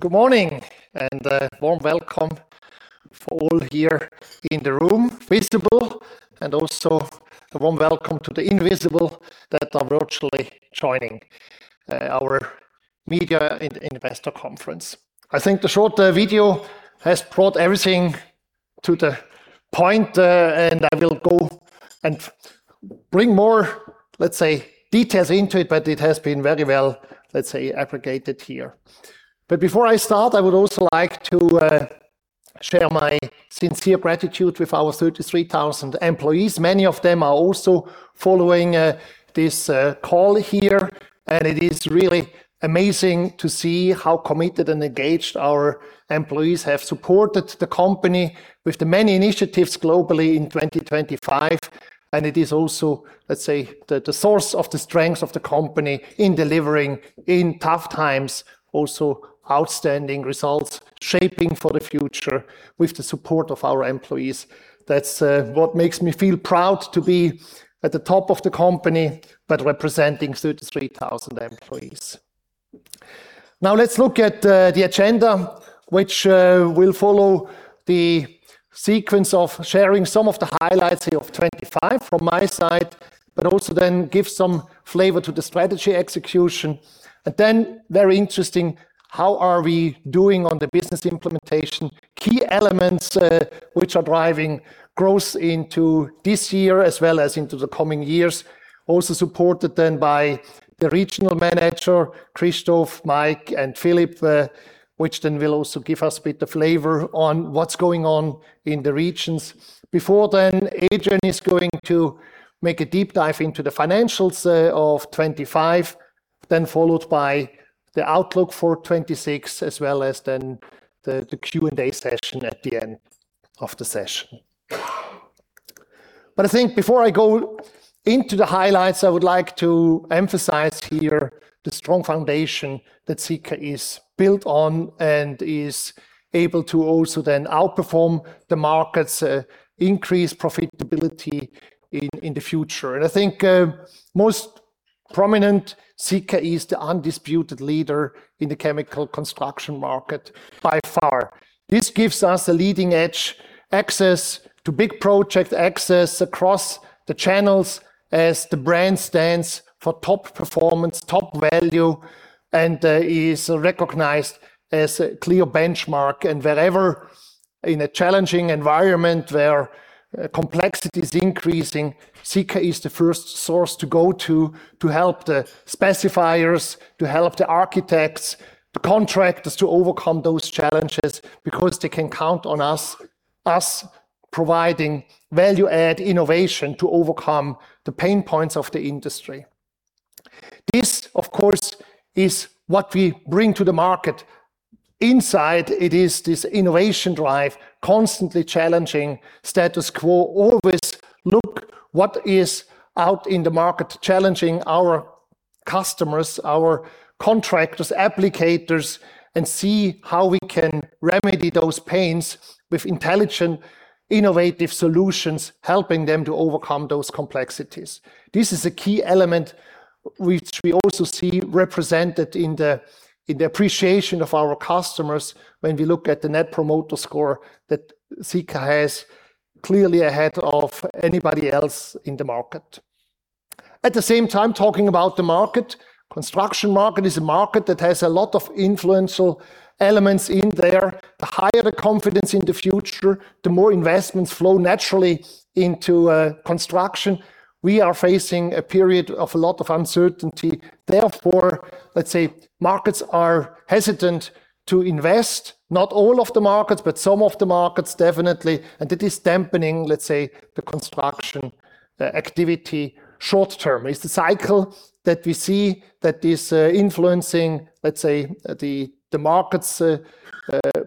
Good morning, and a warm welcome for all here in the room, visible, and also a warm welcome to the invisible that are virtually joining our media and investor conference. I think the short video has brought everything to the point, and I will go and bring more, let's say, details into it, but it has been very well, let's say, aggregated here. But before I start, I would also like to share my sincere gratitude with our 33,000 employees. Many of them are also following this call here, and it is really amazing to see how committed and engaged our employees have supported the company with the many initiatives globally in 2025. It is also, let's say, the source of the strength of the company in delivering in tough times also outstanding results, shaping for the future with the support of our employees. That's what makes me feel proud to be at the top of the company, but representing 33,000 employees. Now, let's look at the agenda, which will follow the sequence of sharing some of the highlights of 2025 from my side, but also then give some flavor to the strategy execution. And then very interesting, how are we doing on the business implementation? Key elements which are driving growth into this year as well as into the coming years. Also supported then by the regional manager, Christoph, Mike, and Philippe, which then will also give us a bit of flavor on what's going on in the regions. Before then, Adrian is going to make a deep dive into the financials of 2025, then followed by the outlook for 2026, as well as then the Q&A session at the end of the session. But I think before I go into the highlights, I would like to emphasize here the strong foundation that Sika is built on, and is able to also then outperform the markets, increase profitability in the future. And I think, most prominent, Sika is the undisputed leader in the chemical construction market by far. This gives us a leading edge, access to big project, access across the channels as the brand stands for top performance, top value, and is recognized as a clear benchmark. Wherever in a challenging environment, where complexity is increasing, Sika is the first source to go to, to help the specifiers, to help the architects, the contractors, to overcome those challenges, because they can count on us providing value-add innovation to overcome the pain points of the industry. This, of course, is what we bring to the market. Inside, it is this innovation drive, constantly challenging status quo. Always look what is out in the market, challenging our customers, our contractors, applicators, and see how we can remedy those pains with intelligent, innovative solutions, helping them to overcome those complexities. This is a key element which we also see represented in the appreciation of our customers when we look at the Net Promoter Score, that Sika has clearly ahead of anybody else in the market. At the same time, talking about the market, construction market is a market that has a lot of influential elements in there. The higher the confidence in the future, the more investments flow naturally into construction. We are facing a period of a lot of uncertainty. Therefore, let's say markets are hesitant to invest. Not all of the markets, but some of the markets, definitely, and it is dampening, let's say, the construction, the activity short term. It's the cycle that we see that is influencing, let's say, the markets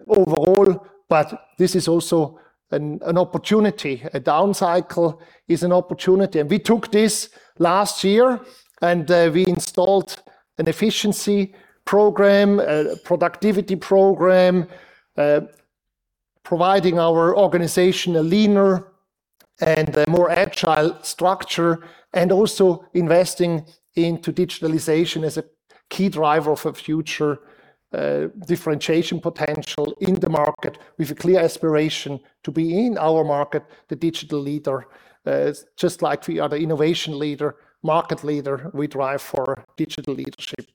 overall, but this is also an opportunity. A down cycle is an opportunity, and we took this last year, and we installed an efficiency program, a productivity program, providing our organization a leaner and a more agile structure, and also investing into digitalization as a key driver for future differentiation potential in the market, with a clear aspiration to be in our market the digital leader. Just like we are the innovation leader, market leader, we drive for digital leadership.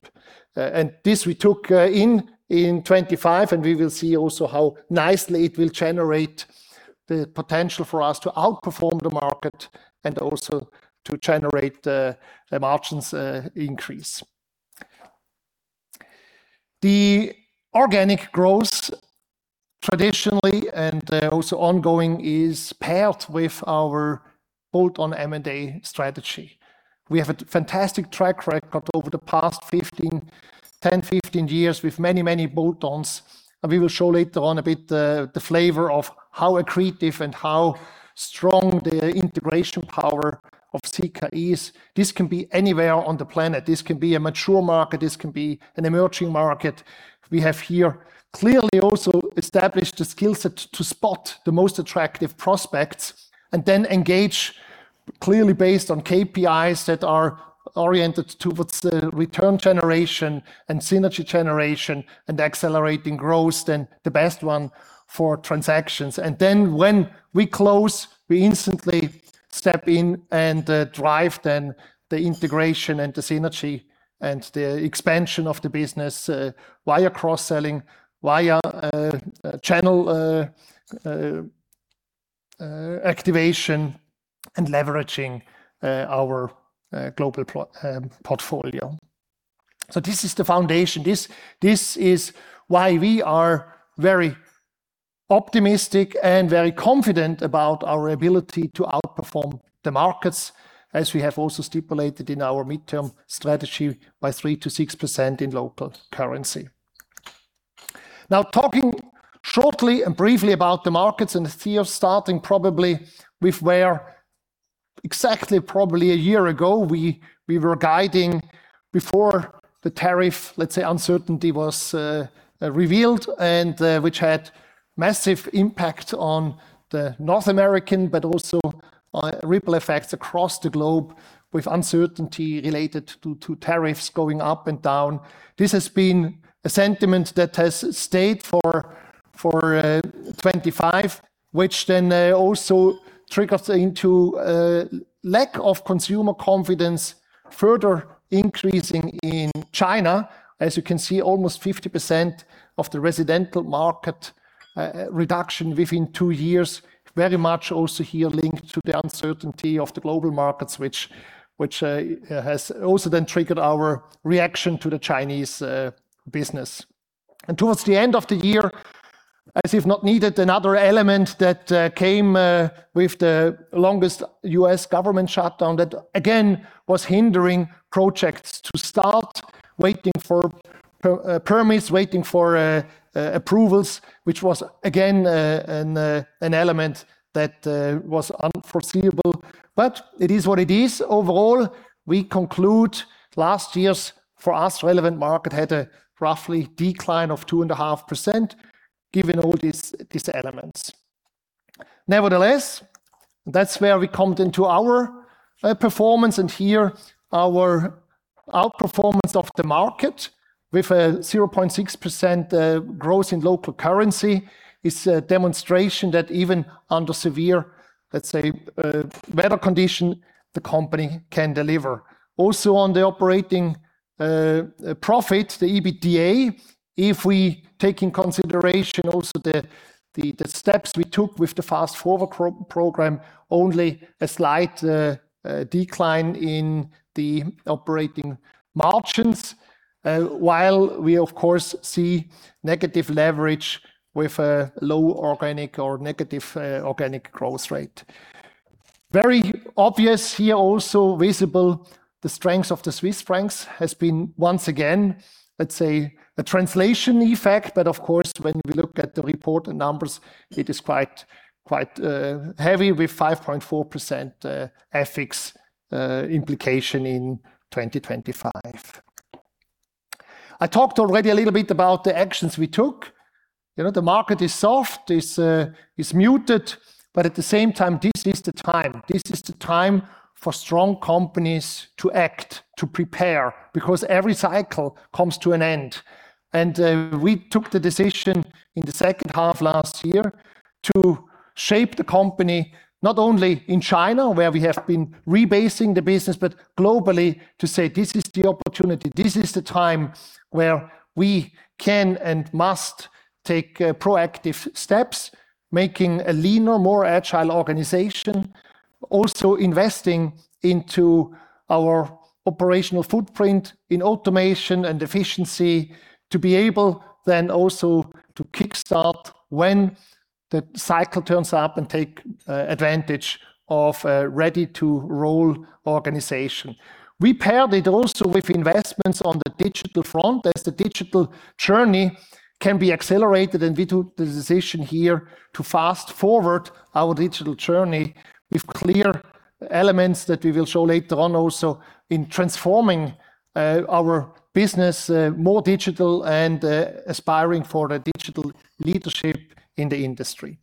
And this we took in 2025, and we will see also how nicely it will generate the potential for us to outperform the market, and also to generate the margins increase. The organic growth, traditionally and also ongoing, is paired with our bolt-on M&A strategy. We have a fantastic track record over the past 15, 10, 15 years with many, many bolt-ons, and we will show later on a bit the flavor of how accretive and how strong the integration power of Sika is. This can be anywhere on the planet. This can be a mature market, this can be an emerging market. We have here clearly also established a skill set to spot the most attractive prospects, and then engage clearly based on KPIs that are oriented towards the return generation and synergy generation, and accelerating growth, and the best one for transactions. And then when we close, we instantly step in and drive then the integration and the synergy, and the expansion of the business via cross-selling, via channel activation and leveraging our global product portfolio. So this is the foundation. This, this is why we are very optimistic and very confident about our ability to outperform the markets, as we have also stipulated in our midterm strategy by 3%-6% in local currency. Now, talking shortly and briefly about the markets and the fear of starting probably with where exactly probably a year ago, we were guiding before the tariff, let's say, uncertainty was revealed, and which had massive impact on the North America, but also ripple effects across the globe, with uncertainty related to tariffs going up and down. This has been a sentiment that has stayed for 2025, which then also triggers into a lack of consumer confidence, further increasing in China. As you can see, almost 50% of the residential market reduction within two years, very much also here linked to the uncertainty of the global markets, which has also then triggered our reaction to the Chinese business. And towards the end of the year, as if not needed, another element that came with the longest U.S. government shutdown, that again was hindering projects to start waiting for permits, waiting for approvals, which was again an element that was unforeseeable. But it is what it is. Overall, we conclude last year's, for us, relevant market had a roughly 2.5% decline, given all these elements. Nevertheless, that's where we come into our performance, and here our outperformance of the market with a 0.6% growth in local currency is a demonstration that even under severe, let's say, weather condition, the company can deliver. Also, on the operating profit, the EBITDA, if we take in consideration also the steps we took with the Fast Forward program, only a slight decline in the operating margins while we of course see negative leverage with a low organic or negative organic growth rate. Very obvious here, also visible, the strength of the Swiss francs has been, once again, let's say, a translation effect. But of course, when we look at the reported numbers, it is quite, quite heavy, with 5.4% FX implication in 2025. I talked already a little bit about the actions we took. You know, the market is soft, it's, it's muted, but at the same time, this is the time. This is the time for strong companies to act, to prepare, because every cycle comes to an end. We took the decision in the second half last year, to shape the company, not only in China, where we have been rebasing the business, but globally, to say: This is the opportunity. This is the time where we can and must take, proactive steps, making a leaner, more agile organization. Also investing into our operational footprint in automation and efficiency, to be able then also to kickstart when the cycle turns up and take, advantage of a ready-to-roll organization. We paired it also with investments on the digital front, as the digital journey can be accelerated, and we took the decision here to fast forward our digital journey with clear elements that we will show later on, also in transforming, our business, more digital and, aspiring for the digital leadership in the industry.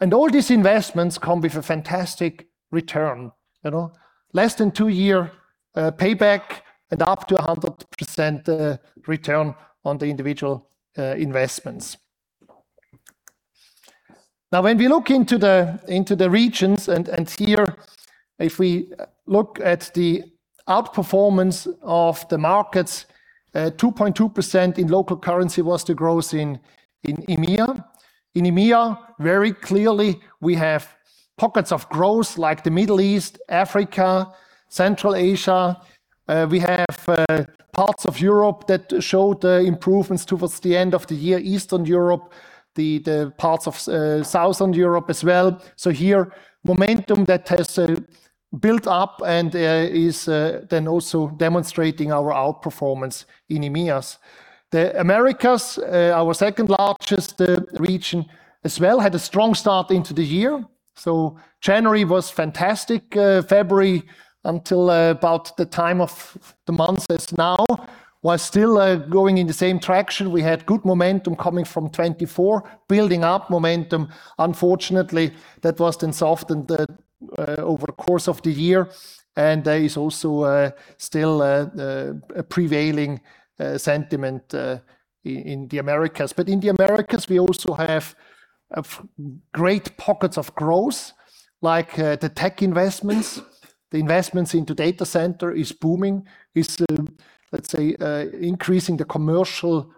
And all these investments come with a fantastic return. You know, less than two-year payback and up to 100% return on the individual investments. Now, when we look into the regions, and here, if we look at the outperformance of the markets, 2.2% in local currency was the growth in EMEA. In EMEA, very clearly, we have pockets of growth like the Middle East, Africa, Central Asia. We have parts of Europe that showed improvements towards the end of the year, Eastern Europe, the parts of Southern Europe as well. So here, momentum that has built up and is then also demonstrating our outperformance in EMEAs. The Americas, our second largest region as well, had a strong start into the year. So January was fantastic. February, until about the time of the months as now, was still going in the same traction. We had good momentum coming from 2024, building up momentum. Unfortunately, that was then softened over the course of the year, and there is also still a prevailing sentiment in the Americas. But in the Americas, we also have great pockets of growth, like the tech investments. The investments into data center is booming, let's say, increasing the commercial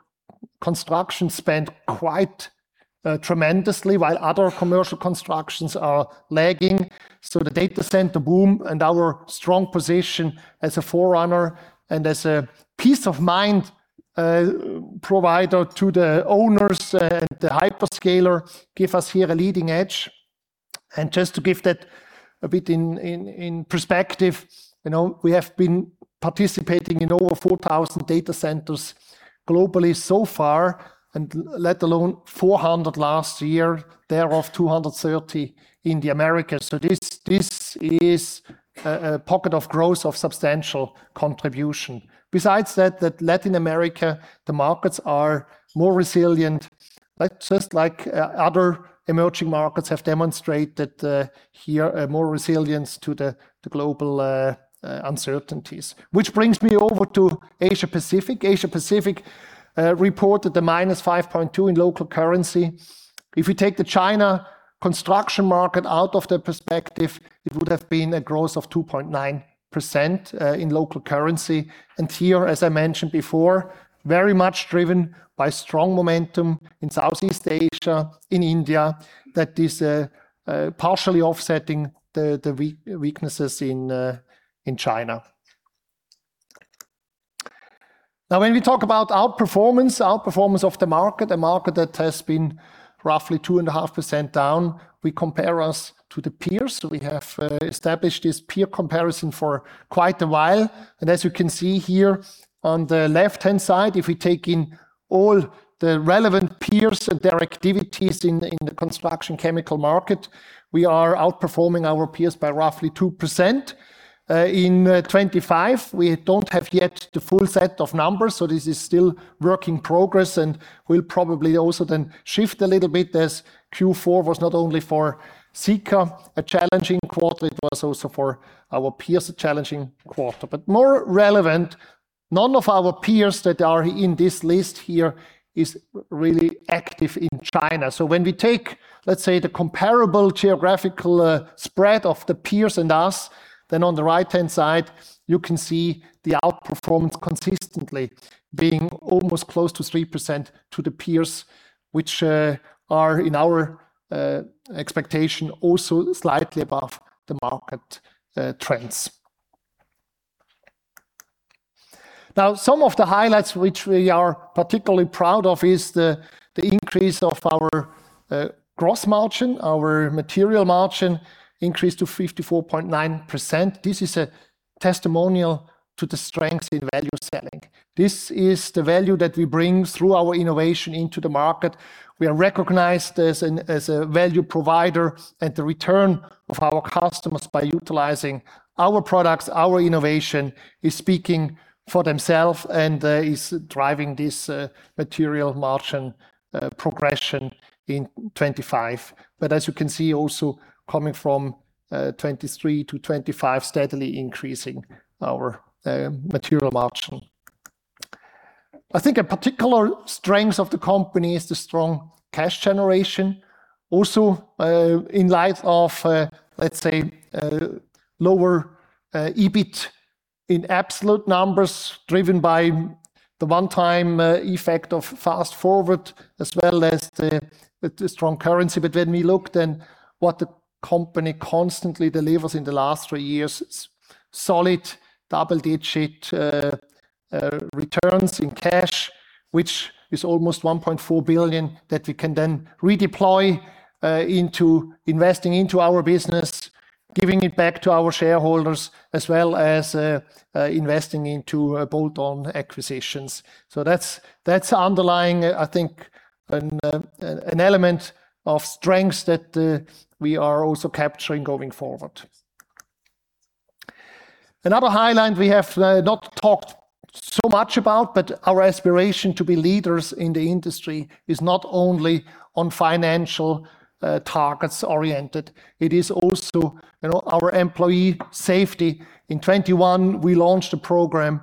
construction spend quite, tremendously, while other commercial constructions are lagging. So the data center boom and our strong position as a forerunner and as a peace of mind, provider to the owners, the hyperscaler, give us here a leading edge. And just to give that a bit in perspective, you know, we have been participating in over 4,000 data centers globally so far, and let alone 400 last year, thereof, 230 in the Americas. So this is a pocket of growth of substantial contribution. Besides that, the Latin America, the markets are more resilient, like, just like, other emerging markets have demonstrated, here, a more resilience to the, the global, uncertainties. Which brings me over to Asia Pacific. Asia Pacific reported a -5.2 in local currency. If you take the China construction market out of the perspective, it would have been a growth of 2.9% in local currency. And here, as I mentioned before, very much driven by strong momentum in Southeast Asia, in India, that is, partially offsetting the weaknesses in China. Now, when we talk about outperformance, outperformance of the market, a market that has been roughly 2.5% down, we compare us to the peers. So we have established this peer comparison for quite a while. And as you can see here on the left-hand side, if we take in all the relevant peers and their activities in the construction chemical market, we are outperforming our peers by roughly 2%. In 2025, we don't have yet the full set of numbers, so this is still work in progress, and we'll probably also then shift a little bit as Q4 was not only for Sika, a challenging quarter, it was also for our peers, a challenging quarter. But more relevant, none of our peers that are in this list here is really active in China. So when we take, let's say, the comparable geographical spread of the peers and us, then on the right-hand side, you can see the outperformance consistently being almost close to 3% to the peers, which are in our expectation, also slightly above the market trends. Now, some of the highlights which we are particularly proud of is the increase of our gross margin. Our material margin increased to 54.9%. This is a testimonial to the strength in value selling. This is the value that we bring through our innovation into the market. We are recognized as an, as a value provider, and the return of our customers by utilizing our products, our innovation, is speaking for themselves and, is driving this, material margin, progression in 25. But as you can see, also coming from, 23 to 25, steadily increasing our, material margin. I think a particular strength of the company is the strong cash generation. Also, in light of, let's say, lower, EBIT in absolute numbers, driven by the one-time, effect of Fast Forward, as well as the, the strong currency. But when we look then what the company constantly delivers in the last three years, solid double-digit returns in cash, which is almost 1.4 billion, that we can then redeploy into investing into our business, giving it back to our shareholders, as well as investing into bolt-on acquisitions. So that's underlying, I think, an element of strength that we are also capturing going forward. Another highlight we have not talked so much about, but our aspiration to be leaders in the industry is not only on financial targets-oriented, it is also, you know, our employee safety. In 2021, we launched a program.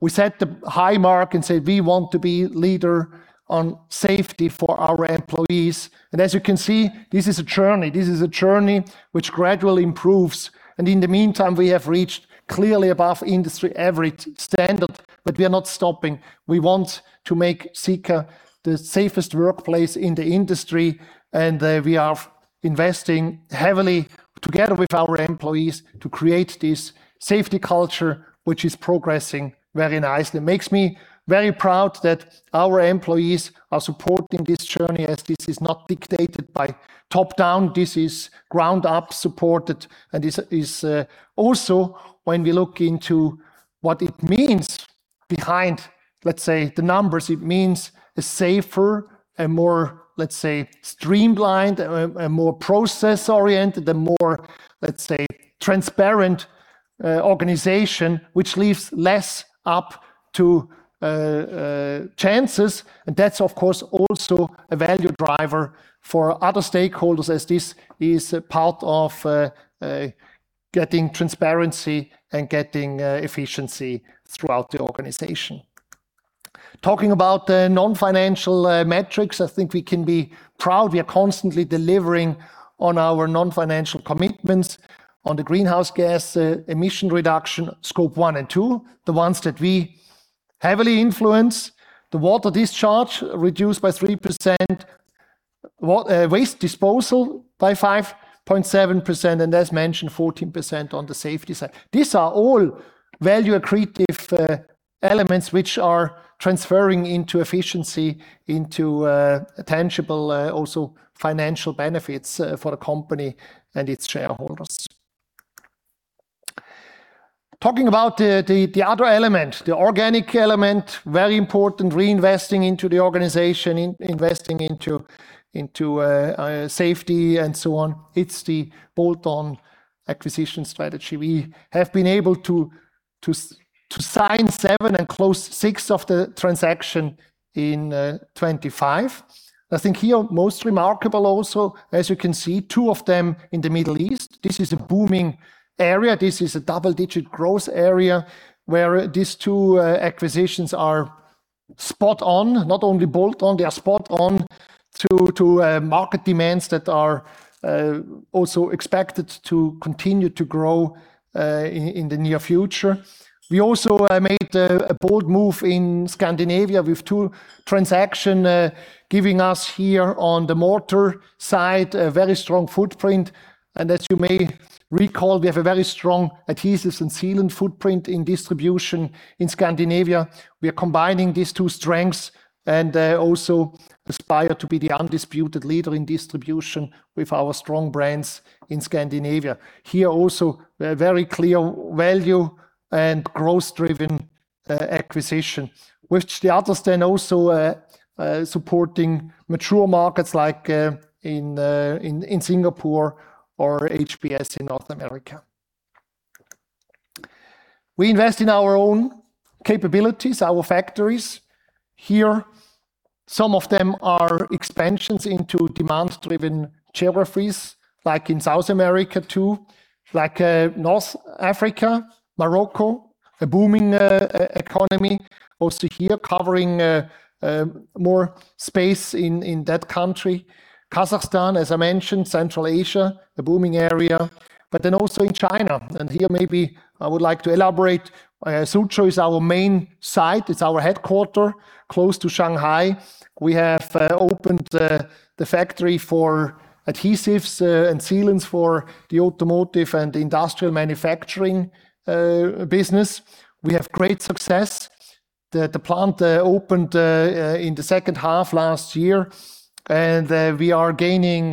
We set the high mark and said, "We want to be leader on safety for our employees." And as you can see, this is a journey. This is a journey which gradually improves, and in the meantime, we have reached clearly above industry average standard, but we are not stopping. We want to make Sika the safest workplace in the industry, and we are investing heavily together with our employees to create this safety culture, which is progressing very nicely. It makes me very proud that our employees are supporting this journey, as this is not dictated by top-down. This is ground-up supported, and this is also when we look into what it means behind, let's say, the numbers, it means a safer and more, let's say, streamlined, a more process-oriented, a more, let's say, transparent organization, which leaves less up to chances. That's, of course, also a value driver for other stakeholders, as this is a part of getting transparency and getting efficiency throughout the organization. Talking about the non-financial metrics, I think we can be proud we are constantly delivering on our non-financial commitments on the greenhouse gas emission reduction, Scope 1 and 2, the ones that we heavily influence. The water discharge reduced by 3%, waste disposal by 5.7%, and as mentioned, 14% on the safety side. These are all value accretive elements which are transferring into efficiency, into tangible also financial benefits for the company and its shareholders. Talking about the other element, the organic element, very important, reinvesting into the organization, investing into safety and so on. It's the bolt-on acquisition strategy. We have been able to sign seven and close six of the transactions in 2025. I think here, most remarkable also, as you can see, two of them in the Middle East. This is a booming area. This is a double-digit growth area where these two acquisitions are spot on, not only bolt-on, they are spot on to market demands that are also expected to continue to grow in the near future. We also made a bold move in Scandinavia with two transactions, giving us here on the mortar side a very strong footprint. And as you may recall, we have a very strong adhesives and sealant footprint in distribution in Scandinavia. We are combining these two strengths and also aspire to be the undisputed leader in distribution with our strong brands in Scandinavia. Here also, a very clear value and growth-driven acquisition, which the others then also supporting mature markets like in Singapore or HPS in North America. We invest in our own capabilities, our factories. Here, some of them are expansions into demand-driven geographies, like in South America, too, like North Africa, Morocco, a booming economy. Also here, covering more space in that country. Kazakhstan, as I mentioned, Central Asia, a booming area, but then also in China. Here, maybe I would like to elaborate. Suzhou is our main site. It's our headquarters, close to Shanghai. We have opened the factory for adhesives and sealants for the automotive and industrial manufacturing business. We have great success. The plant opened in the second half last year, and we are gaining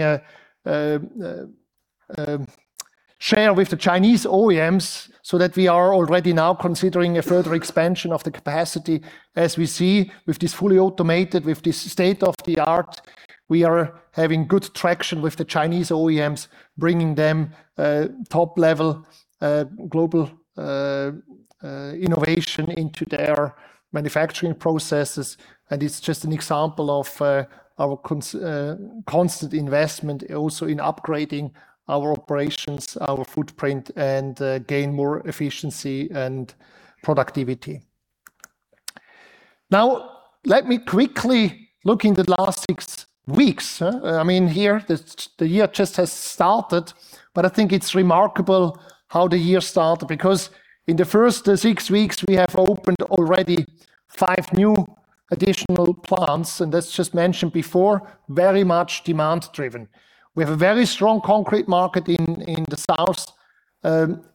share with the Chinese OEMs, so that we are already now considering a further expansion of the capacity. As we see, with this fully automated, with this state-of-the-art, we are having good traction with the Chinese OEMs, bringing them top-level global innovation into their manufacturing processes. And it's just an example of our constant investment also in upgrading our operations, our footprint, and gain more efficiency and productivity. Now, let me quickly look in the last six weeks. I mean, here, the year just has started, but I think it's remarkable how the year started, because in the first six weeks, we have opened already five new additional plants, and that's just mentioned before, very much demand driven. We have a very strong concrete market in the south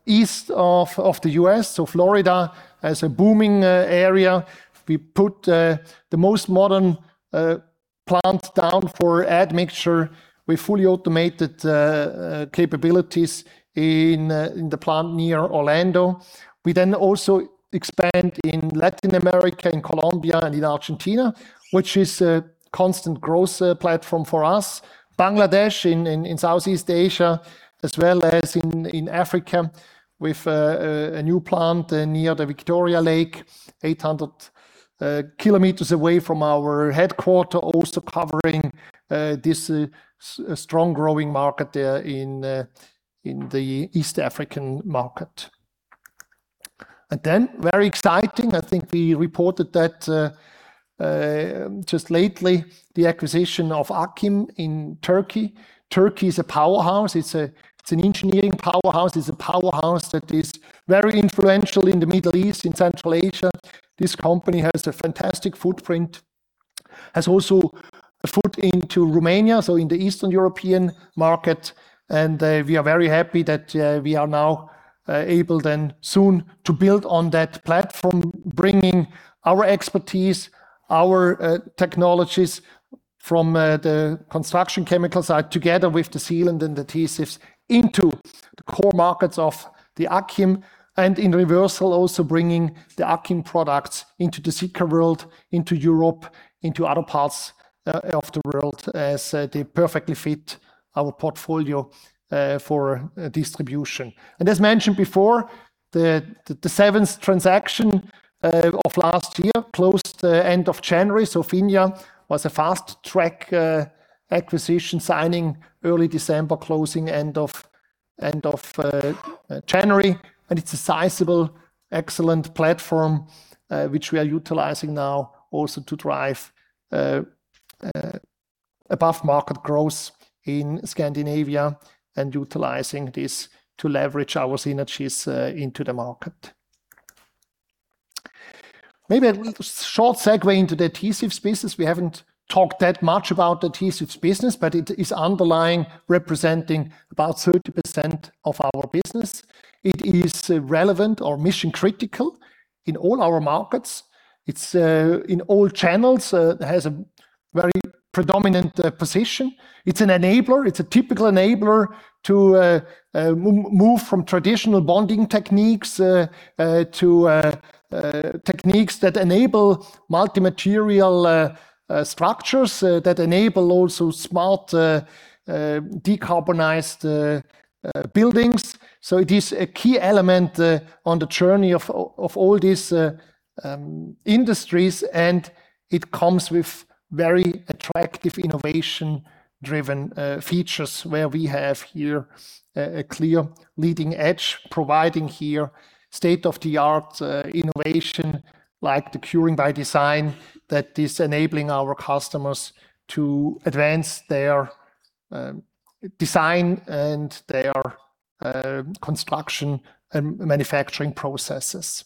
east of the U.S. So Florida has a booming area. We put the most modern plant down for admixture. We fully automated capabilities in the plant near Orlando. We then also expand in Latin America, in Colombia and in Argentina, which is a constant growth platform for us. Bangladesh, in Southeast Asia, as well as in Africa, with a new plant near the Victoria Lake, 800 km away from our headquarters, also covering this strong growing market there in the East African market. And then, very exciting, I think we reported that just lately, the acquisition of Akkim in Turkey. Turkey is a powerhouse. It's an engineering powerhouse. It's a powerhouse that is very influential in the Middle East, in Central Asia. This company has a fantastic footprint, has also a foot into Romania, so in the Eastern European market. And we are very happy that we are now able then soon to build on that platform, bringing our expertise, our technologies from the construction chemical side, together with the sealant and adhesives into the core markets of the Akkim, and in reversal, also bringing the Akkim products into the Sika world, into Europe, into other parts of the world, as they perfectly fit our portfolio for distribution. And as mentioned before, the seventh transaction of last year closed end of January. So Finja was a fast track acquisition, signing early December, closing end of January. And it's a sizable, excellent platform, which we are utilizing now also to drive above market growth in Scandinavia, and utilizing this to leverage our synergies into the market. Maybe a short segue into the adhesives business. We haven't talked that much about adhesives business, but it is underlying, representing about 30% of our business. It is relevant or mission critical in all our markets. It's in all channels, has a very predominant position. It's an enabler. It's a typical enabler to move from traditional bonding techniques to techniques that enable multi-material structures, that enable also smart decarbonized buildings. So it is a key element on the journey of all these industries, and it comes with very attractive, innovation-driven features, where we have here a clear leading edge, providing here state-of-the-art innovation, like the curing by design, that is enabling our customers to advance their design and their construction and manufacturing processes.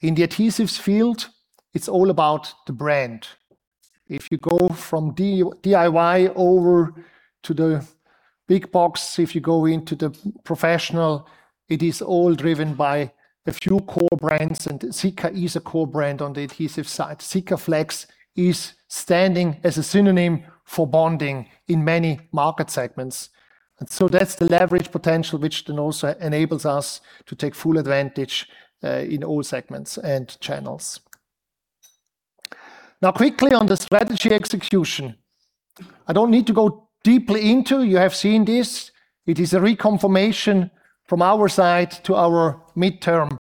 In the adhesives field, it's all about the brand. If you go from D-DIY over to the big box, if you go into the professional, it is all driven by a few core brands, and Sika is a core brand on the adhesive side. Sikaflex is standing as a synonym for bonding in many market segments, and so that's the leverage potential, which then also enables us to take full advantage in all segments and channels. Now, quickly on the strategy execution. I don't need to go deeply into. You have seen this. It is a reconfirmation from our side to our midterm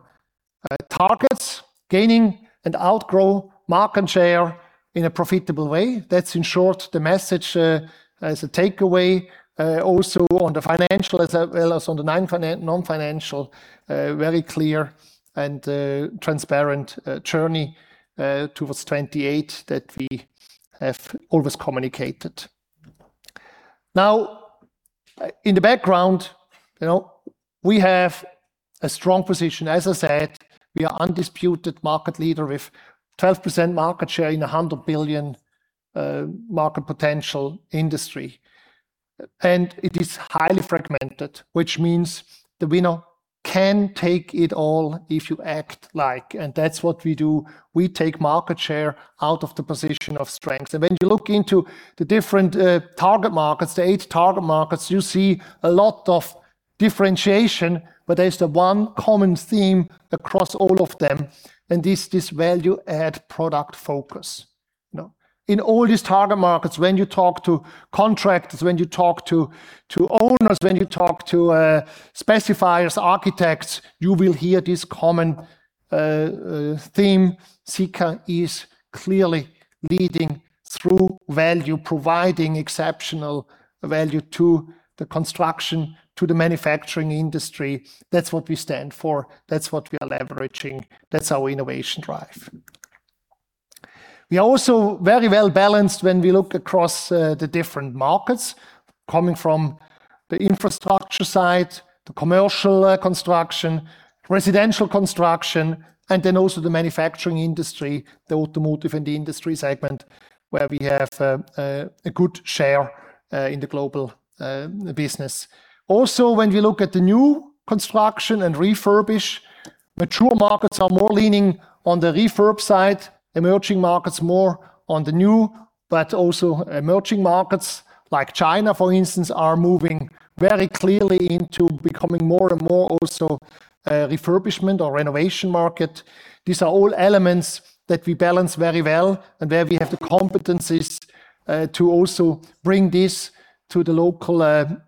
targets, gaining and outgrow market share in a profitable way. That's in short, the message, as a takeaway. Also on the financial, as well as on the non-financial, very clear and transparent journey towards 2028 that we have always communicated. Now, in the background, you know, we have a strong position. As I said, we are undisputed market leader with 12% market share in a 100 billion market potential industry. And it is highly fragmented, which means the winner can take it all if you act like, and that's what we do. We take market share out of the position of strength. When you look into the different target markets, the eight target markets, you see a lot of differentiation, but there's the one common theme across all of them, and this is value add product focus. Now, in all these target markets, when you talk to contractors, when you talk to owners, when you talk to specifiers, architects, you will hear this common theme. Sika is clearly leading through value, providing exceptional value to the construction, to the manufacturing industry. That's what we stand for. That's what we are leveraging. That's our innovation drive. We are also very well-balanced when we look across the different markets coming from the infrastructure side to commercial construction, residential construction, and then also the manufacturing industry, the automotive and the industry segment, where we have a good share in the global business. Also, when we look at the new construction and refurbish, mature markets are more leaning on the refurb side, emerging markets, more on the new, but also emerging markets like China, for instance, are moving very clearly into becoming more and more also refurbishment or renovation market. These are all elements that we balance very well and where we have the competencies to also bring this to the local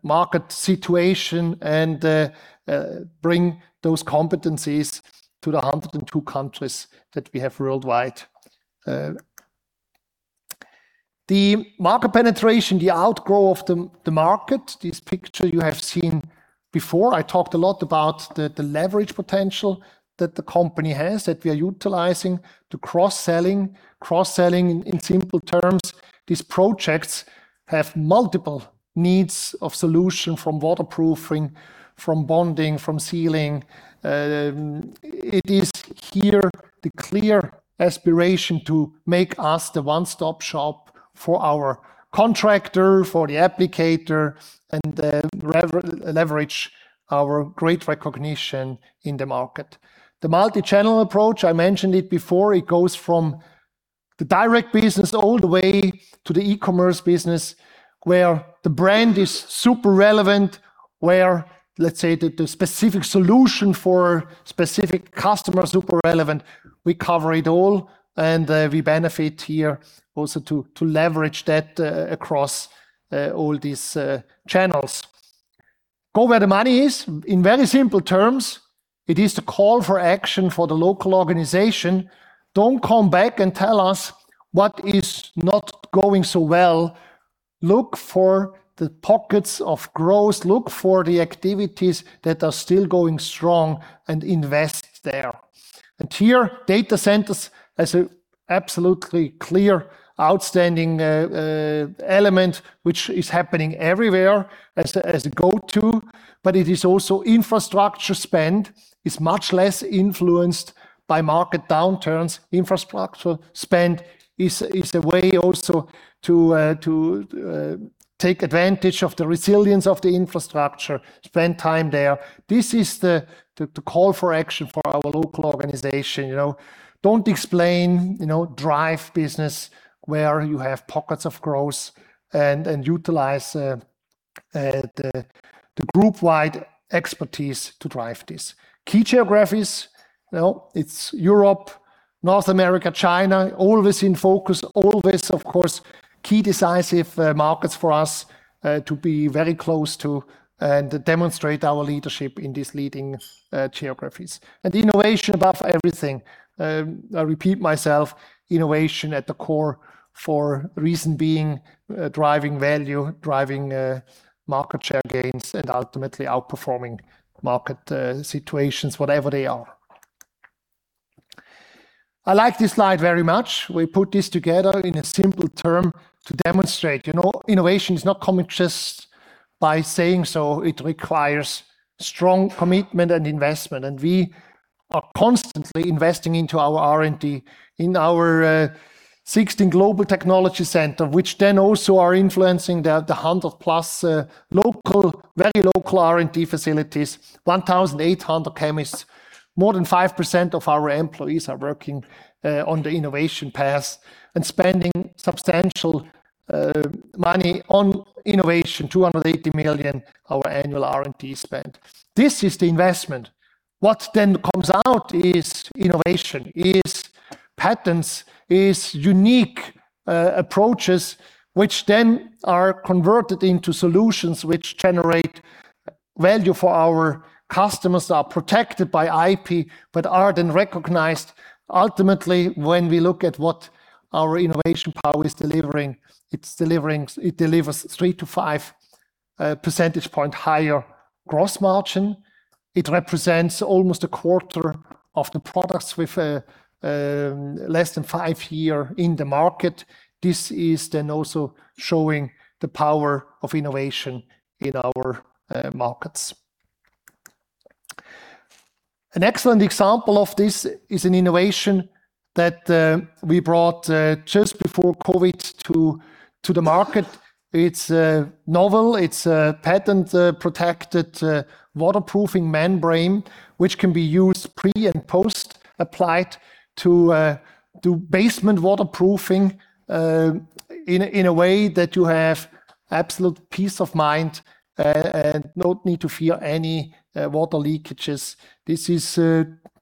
market situation, and bring those competencies to the 102 countries that we have worldwide. The market penetration, the outgrow of the market, this picture you have seen before. I talked a lot about the leverage potential that the company has, that we are utilizing to cross-selling. Cross-selling, in simple terms, these projects have multiple needs of solution, from waterproofing, from bonding, from sealing. It is here the clear aspiration to make us the one-stop shop for our contractor, for the applicator, and leverage our great recognition in the market. The multi-channel approach, I mentioned it before, it goes from the direct business all the way to the e-commerce business, where the brand is super relevant, where, let's say, the specific solution for specific customer is super relevant. We cover it all, and we benefit here also to leverage that across all these channels. Go where the money is. In very simple terms, it is the call for action for the local organization. Don't come back and tell us what is not going so well. Look for the pockets of growth, look for the activities that are still going strong and invest there. And here, data centers as a absolutely clear, outstanding, element, which is happening everywhere as a, as a go-to, but it is also infrastructure spend is much less influenced by market downturns. Infrastructure spend is a way also to take advantage of the resilience of the infrastructure. Spend time there. This is the call for action for our local organization, you know? Don't explain, you know, drive business where you have pockets of growth and utilize the group-wide expertise to drive this. Key geographies, well, it's Europe, North America, China, always in focus, always, of course, key decisive, markets for us, to be very close to and demonstrate our leadership in these leading, geographies. And innovation above everything. I repeat myself, innovation at the core, for reason being, driving value, driving, market share gains, and ultimately outperforming market, situations, whatever they are. I like this slide very much. We put this together in a simple term to demonstrate, you know, innovation is not coming just by saying so. It requires strong commitment and investment, and we are constantly investing into our R&D in our, 16 global technology center, which then also are influencing the, the 100+, local, very local R&D facilities. 1,800 chemists, more than 5% of our employees are working, on the innovation path and spending substantial, money on innovation, 280 million, our annual R&D spend. This is the investment. What then comes out is innovation, is patents, is unique approaches, which then are converted into solutions which generate value for our customers, are protected by IP, but are then recognized. Ultimately, when we look at what our innovation power is delivering, it's delivering—it delivers 3-5 percentage point higher gross margin. It represents almost a quarter of the products with less than five years in the market. This is then also showing the power of innovation in our markets. An excellent example of this is an innovation that we brought just before COVID to the market. It's a novel, it's a patent-protected waterproofing membrane, which can be used pre- and post-applied to basement waterproofing in a way that you have absolute peace of mind and no need to fear any water leakages. This is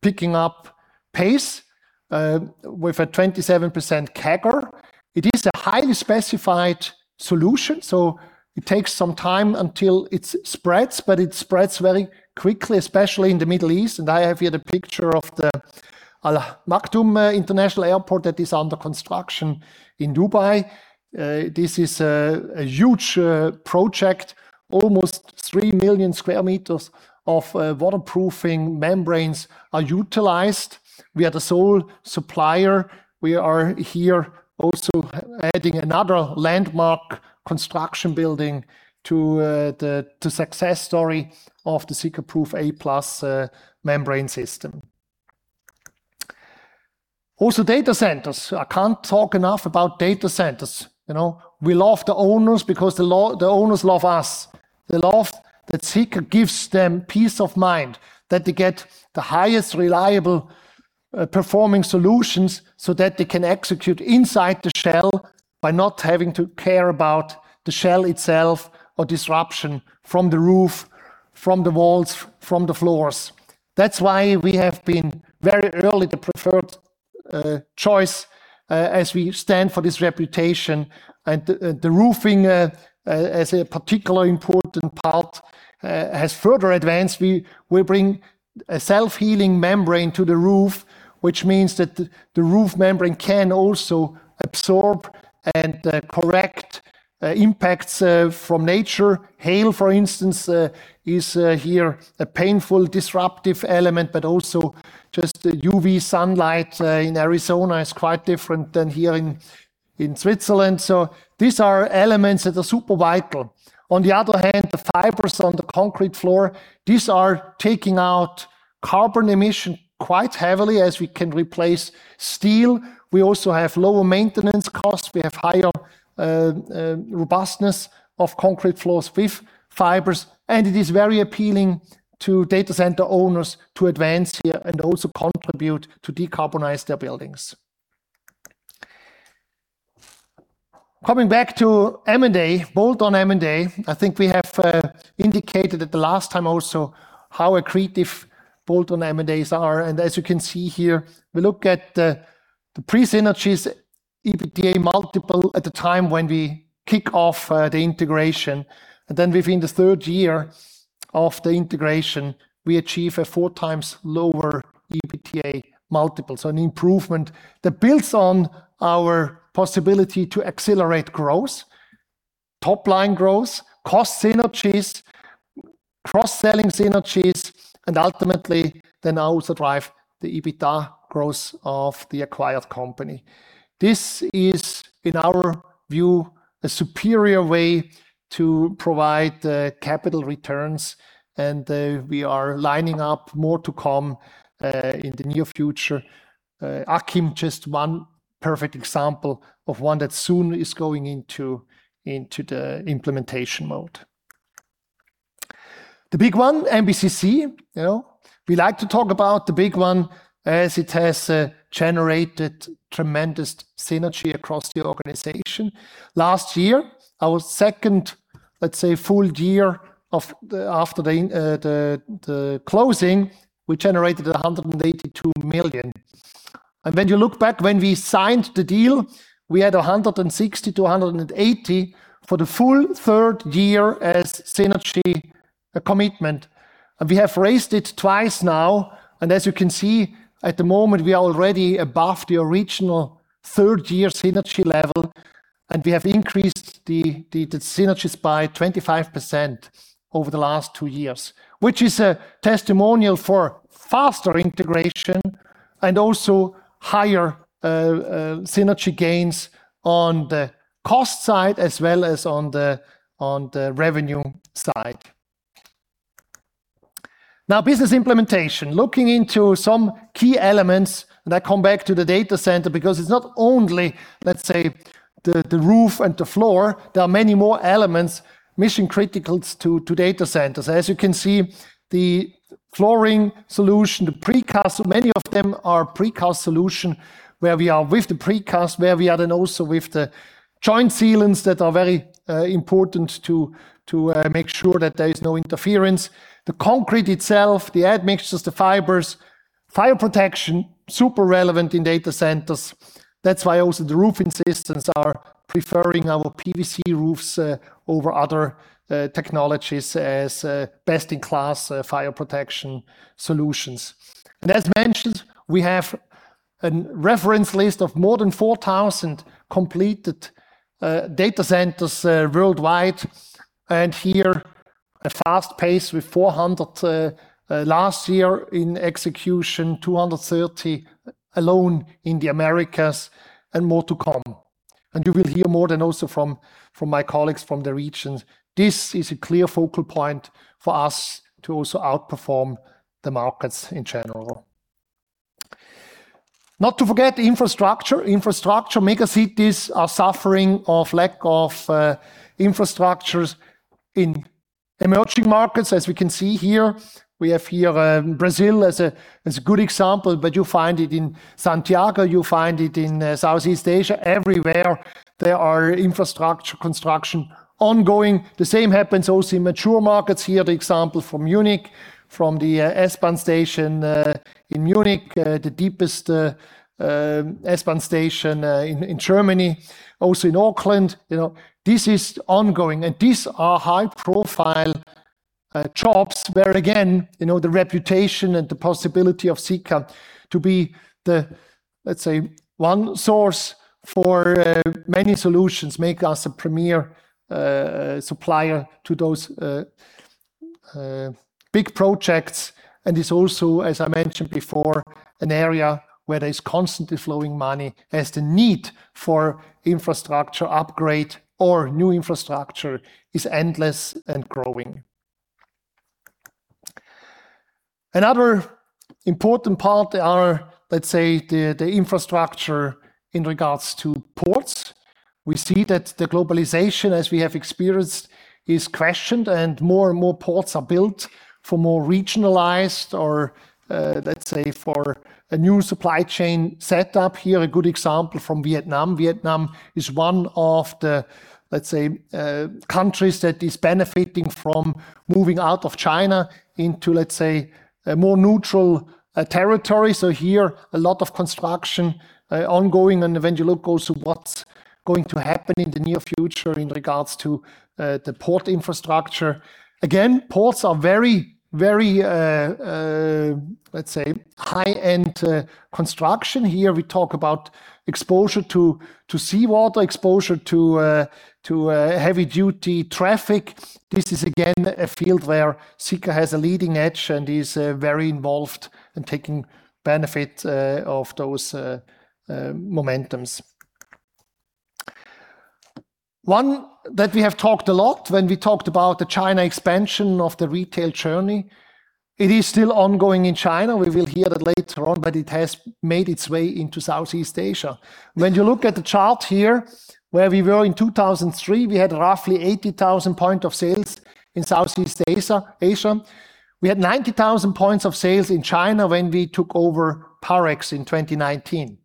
picking up pace with a 27% CAGR. It is a highly specified solution, so it takes some time until it spreads, but it spreads very quickly, especially in the Middle East. And I have here the picture of the Al Maktoum International Airport that is under construction in Dubai. This is a huge project. Almost 3 million square meters of waterproofing membranes are utilized. We are the sole supplier. We are here also adding another landmark construction building to the success story of the SikaProof A+ membrane system. Also, data centers. I can't talk enough about data centers, you know? We love the owners because the owners love us. They love that Sika gives them peace of mind, that they get the highest reliable, performing solutions so that they can execute inside the shell by not having to care about the shell itself or disruption from the roof, from the walls, from the floors. That's why we have been very early the preferred choice, as we stand for this reputation. And the roofing, as a particular important part, has further advanced. We bring a self-healing membrane to the roof, which means that the roof membrane can also absorb and correct impacts from nature. Hail, for instance, is here a painful, disruptive element, but also just the UV sunlight in Arizona is quite different than here in Switzerland. So these are elements that are super vital. On the other hand, the fibers on the concrete floor, these are taking out carbon emission quite heavily as we can replace steel. We also have lower maintenance costs. We have higher robustness of concrete floors with fibers, and it is very appealing to data center owners to advance here and also contribute to decarbonize their buildings. Coming back to M&A, bolt-on M&A, I think we have indicated that the last time also how accretive bolt-on M&As are. As you can see here, we look at the pre-synergies EBITDA multiple at the time when we kick off the integration. Then within the third year of the integration, we achieve a 4x lower EBITDA multiple. So an improvement that builds on our possibility to accelerate growth, top-line growth, cost synergies, cross-selling synergies, and ultimately, they now also drive the EBITDA growth of the acquired company. This is, in our view, a superior way to provide capital returns, and we are lining up more to come in the near future. Akkim, just one perfect example of one that soon is going into implementation mode. The big one, MBCC. You know, we like to talk about the big one as it has generated tremendous synergy across the organization. Last year, our second, let's say, full year after the closing, we generated 182 million. When you look back when we signed the deal, we had 160-180 for the full third year as synergy commitment, and we have raised it twice now. As you can see, at the moment, we are already above the original third year synergy level, and we have increased the synergies by 25% over the last two years. Which is a testimonial for faster integration and also higher synergy gains on the cost side, as well as on the revenue side. Now, business implementation. Looking into some key elements, and I come back to the data center, because it's not only, let's say, the roof and the floor, there are many more elements, mission-critical to data centers. As you can see, the flooring solution, the precast, many of them are precast solution, where we are with the precast, where we are then also with the joint sealants that are very important to, to make sure that there is no interference. The concrete itself, the admixtures, the fibers, fire protection, super relevant in data centers. That's why also the roofing systems are preferring our PVC roofs over other technologies as best-in-class fire protection solutions. And as mentioned, we have a reference list of more than 4,000 completed data centers worldwide, and here a fast pace with 400 last year in execution, 230 alone in the Americas, and more to come. And you will hear more then also from, from my colleagues from the regions. This is a clear focal point for us to also outperform the markets in general. Not to forget the infrastructure. Infrastructure, megacities are suffering of lack of infrastructures in emerging markets. As we can see here, we have here Brazil as a good example, but you find it in Santiago, you find it in Southeast Asia. Everywhere there are infrastructure construction ongoing. The same happens also in mature markets. Here, the example from Munich, from the S-Bahn station in Munich the deepest S-Bahn station in Germany, also in Auckland. You know, this is ongoing, and these are high-profile jobs, where again, you know, the reputation and the possibility of Sika to be the, let's say, one source for many solutions, make us a premier supplier to those big projects. It's also, as I mentioned before, an area where there's constantly flowing money, as the need for infrastructure upgrade or new infrastructure is endless and growing. Another important part are, let's say, the, the infrastructure in regards to ports. We see that the globalization, as we have experienced, is questioned and more and more ports are built for more regionalized or, let's say, for a new supply chain setup. Here, a good example from Vietnam. Vietnam is one of the, let's say, countries that is benefiting from moving out of China into, let's say, a more neutral, territory. So here, a lot of construction, ongoing, and when you look also what's going to happen in the near future in regards to, the port infrastructure. Again, ports are very, very, let's say, high-end, construction. Here we talk about exposure to seawater, exposure to heavy-duty traffic. This is, again, a field where Sika has a leading edge and is very involved in taking benefit of those momentums. One that we have talked a lot when we talked about the China expansion of the retail journey, it is still ongoing in China. We will hear that later on, but it has made its way into Southeast Asia. When you look at the chart here, where we were in 2003, we had roughly 80,000 points of sale in Southeast Asia, Asia. We had 90,000 points of sale in China when we took over Parex in 2019.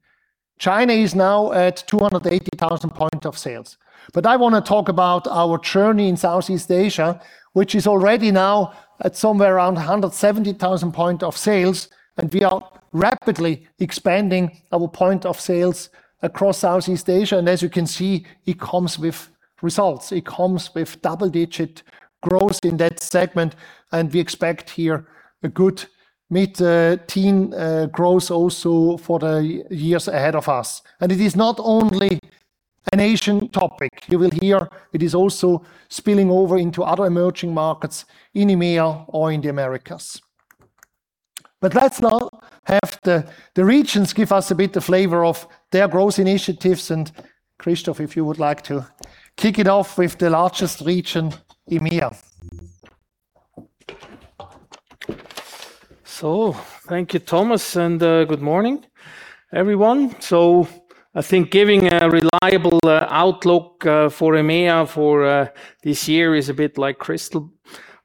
China is now at 280,000 points of sale. But I wanna talk about our journey in Southeast Asia, which is already now at somewhere around 170,000 points of sale, and we are rapidly expanding our points of sale across Southeast Asia. And as you can see, it comes with results. It comes with double-digit growth in that segment, and we expect here a good mid-teen growth also for the years ahead of us. And it is not only an Asian topic. You will hear it is also spilling over into other emerging markets in EMEA or in the Americas. But let's now have the regions give us a bit of flavor of their growth initiatives. And Christoph, if you would like to kick it off with the largest region, EMEA. So thank you, Thomas, and good morning, everyone. So I think giving a reliable outlook for EMEA for this year is a bit like crystal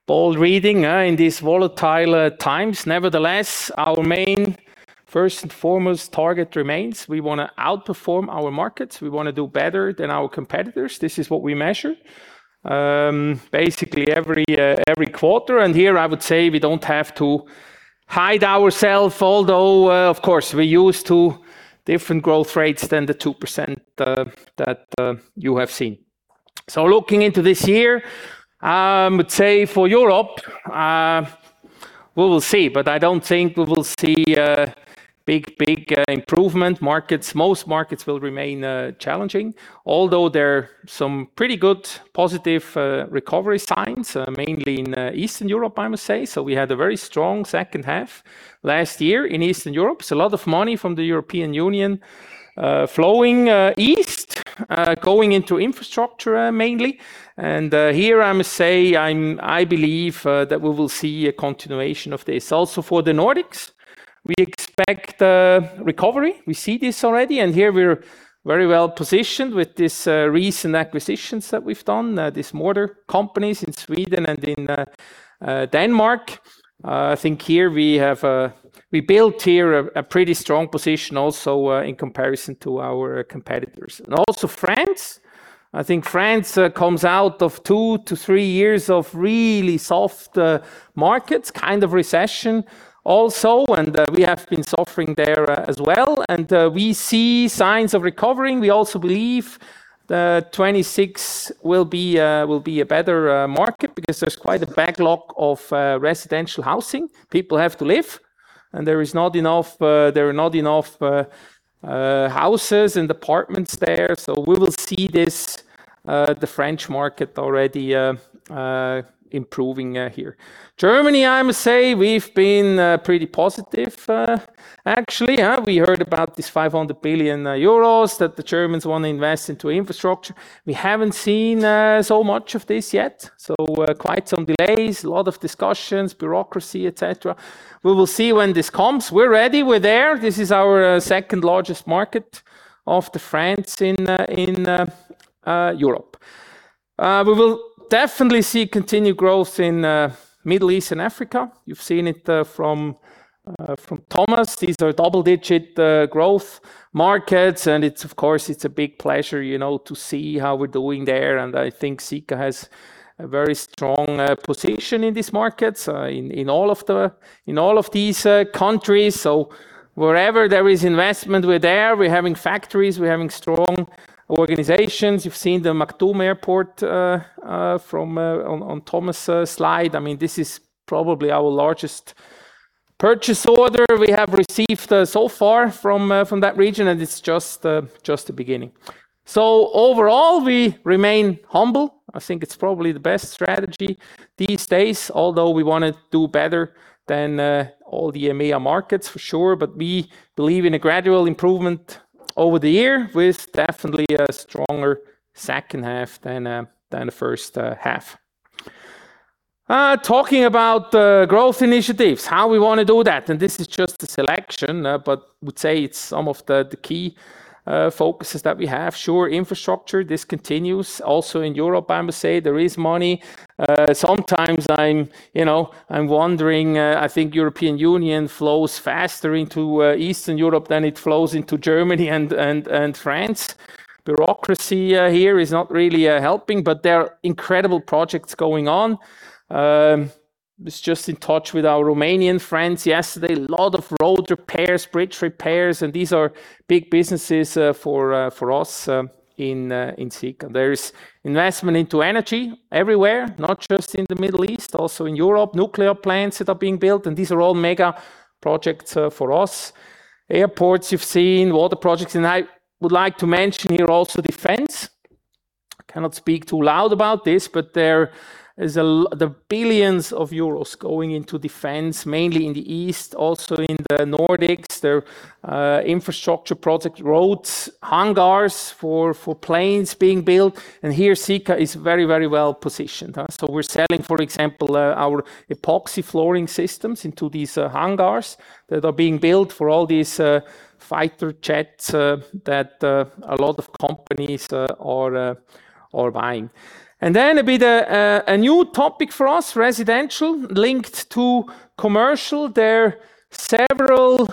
ball reading in these volatile times. Nevertheless, our main first and foremost target remains: we wanna outperform our markets. We wanna do better than our competitors. This is what we measure basically every every quarter. And here I would say we don't have to hide ourself, although of course we're used to different growth rates than the 2% that you have seen. So looking into this year I would say for Europe we will see, but I don't think we will see a big big improvement. Markets, most markets will remain challenging, although there are some pretty good positive recovery signs mainly in Eastern Europe, I must say. So we had a very strong second half last year in Eastern Europe, so a lot of money from the European Union flowing east going into infrastructure mainly. And here, I must say, I believe that we will see a continuation of this. Also for the Nordics, we expect a recovery. We see this already, and here we're very well positioned with this recent acquisitions that we've done these mortar companies in Sweden and in Denmark. I think here we have a we built here a pretty strong position also in comparison to our competitors. And also France. I think France comes out of 2-3 years of really soft markets, kind of recession also, and we have been suffering there as well, and we see signs of recovering. We also believe that 2026 will be a, will be a better market because there's quite a backlog of residential housing. People have to live, and there is not enough, there are not enough houses and apartments there. So we will see this the French market already improving here. Germany, I must say, we've been pretty positive actually. We heard about this 500 billion euros that the Germans want to invest into infrastructure. We haven't seen so much of this yet, so quite some delays, a lot of discussions, bureaucracy, et cetera. We will see when this comes. We're ready. We're there. This is our second largest market after France in Europe. We will definitely see continued growth in Middle East and Africa. You've seen it from Thomas. These are double-digit growth markets, and it's, of course, a big pleasure, you know, to see how we're doing there. And I think Sika has a very strong position in these markets in all of these countries. So wherever there is investment, we're there. We're having factories, we're having strong organizations. You've seen the Maktoum Airport from on Thomas' slide. I mean, this is probably our largest purchase order we have received so far from that region, and it's just the beginning. So overall, we remain humble. I think it's probably the best strategy these days, although we wanna do better than all the EMEA markets, for sure. But we believe in a gradual improvement over the year, with definitely a stronger second half than than the first half. Talking about growth initiatives, how we wanna do that, and this is just a selection, but I would say it's some of the the key focuses that we have. Sure, infrastructure, this continues also in Europe, I must say. There is money. Sometimes I'm, you know, I'm wondering, I think European Union flows faster into Eastern Europe than it flows into Germany and, and, and France. Bureaucracy here is not really helping, but there are incredible projects going on. Was just in touch with our Romanian friends yesterday. A lot of road repairs, bridge repairs, and these are big businesses for us in Sika. There is investment into energy everywhere, not just in the Middle East, also in Europe. Nuclear plants that are being built, and these are all mega projects for us. Airports, you've seen, water projects, and I would like to mention here also defense. I cannot speak too loud about this, but there are billions euros going into defense, mainly in the East, also in the Nordics. There are infrastructure projects, roads, hangars for planes being built, and here Sika is very, very well positioned, huh? So we're selling, for example, our epoxy flooring systems into these hangars that are being built for all these fighter jets that a lot of companies are buying. And then a bit a new topic for us, residential, linked to commercial. There are several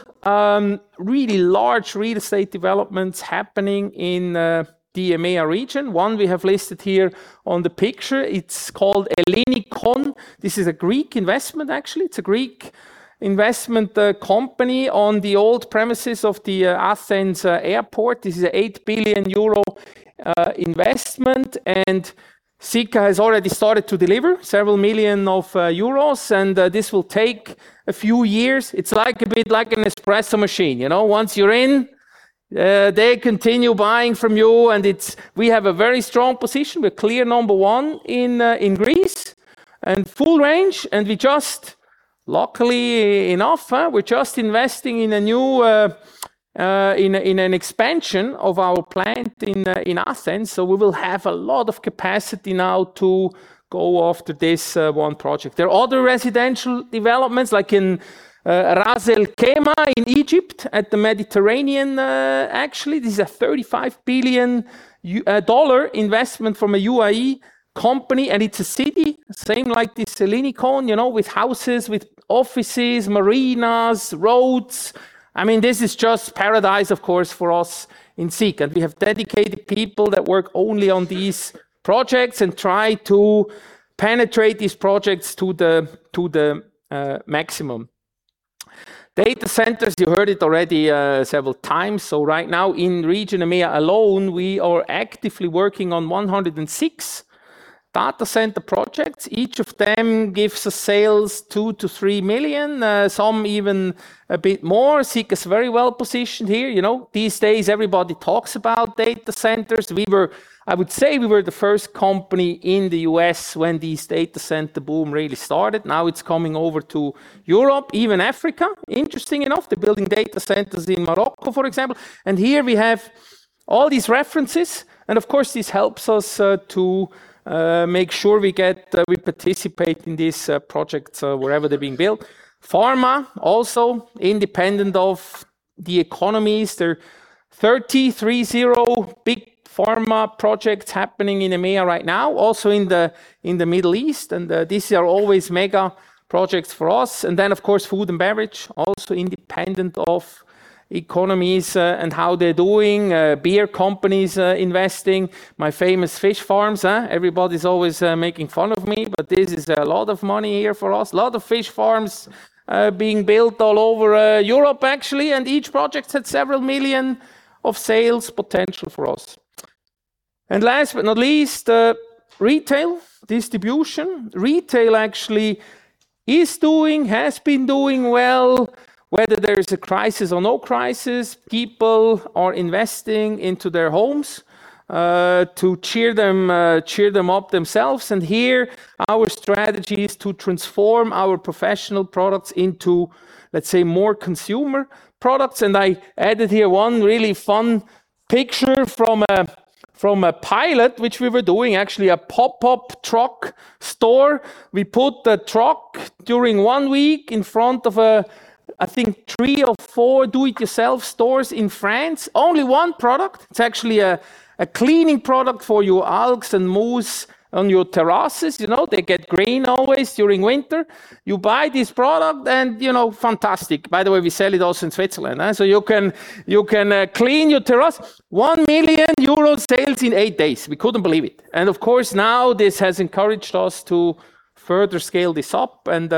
really large real estate developments happening in the EMEA region. One we have listed here on the picture, it's called Ellinikon. This is a Greek investment, actually. It's a Greek investment company on the old premises of the Athens airport. This is a 8 billion euro investment, and Sika has already started to deliver several million EUR, and this will take a few years. It's like a bit like an espresso machine, you know? Once you're in, they continue buying from you, and it's... We have a very strong position. We're clear number one in Greece, and full range, and we just, luckily enough, we're just investing in a new, in a, in an expansion of our plant in Athens, so we will have a lot of capacity now to go after this one project. There are other residential developments, like in Ras El-Hekma in Egypt, at the Mediterranean, actually. This is a $35 billion investment from a UAE company, and it's a city, same like this Ellinikon, you know, with houses, with offices, marinas, roads. I mean, this is just paradise, of course, for us in Sika. We have dedicated people that work only on these projects and try to penetrate these projects to the, to the maximum. Data centers, you heard it already, several times, so right now in region EMEA alone, we are actively working on 106 data center projects. Each of them gives us sales 2-3 million, some even a bit more. Sika is very well positioned here. You know, these days everybody talks about data centers. We were... I would say we were the first company in the U.S. when this data center boom really started. Now, it's coming over to Europe, even Africa, interestingly enough. They're building data centers in Morocco, for example. And here we have all these references, and of course, this helps us to make sure we participate in these projects wherever they're being built. Pharma, also independent of the economies. There are 30 big pharma projects happening in EMEA right now, also in the Middle East, and these are always mega projects for us. And then, of course, food and beverage, also independent of economies and how they're doing. Beer companies investing. My famous fish farms, eh? Everybody's always making fun of me, but this is a lot of money here for us. A lot of fish farms being built all over Europe, actually, and each project had several million CHF of sales potential for us. And last but not least, retail, distribution. Retail actually is doing, has been doing well. Whether there is a crisis or no crisis, people are investing into their homes to cheer them up themselves, and here our strategy is to transform our professional products into, let's say, more consumer products. I added here one really fun picture from a pilot, which we were doing, actually, a pop-up truck store. We put the truck during one week in front of a, I think, three or four do-it-yourself stores in France. Only one product. It's actually a cleaning product for your algae and moss on your terraces. You know, they get green always during winter. You buy this product and, you know, fantastic. By the way, we sell it also in Switzerland, eh? So you can clean your terrace. 1 million euro sales in eight days. We couldn't believe it, and of course, now this has encouraged us to further scale this up and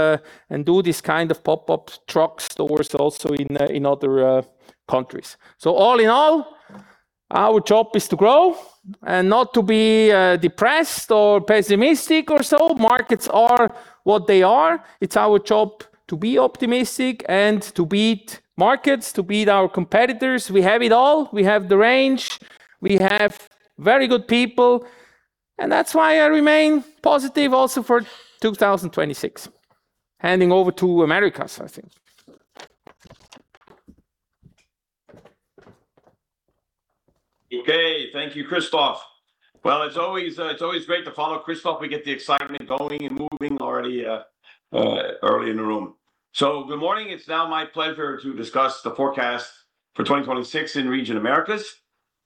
do this kind of pop-up truck stores also in other countries. So all in all, our job is to grow and not to be, depressed or pessimistic or so. Markets are what they are. It's our job to be optimistic and to beat markets, to beat our competitors. We have it all. We have the range, we have very good people, and that's why I remain positive also for 2026. Handing over to Americas, I think. Okay. Thank you, Christoph. Well, it's always, it's always great to follow Christoph. We get the excitement going and moving already, early in the room. So good morning. It's now my pleasure to discuss the forecast for 2026 in region Americas.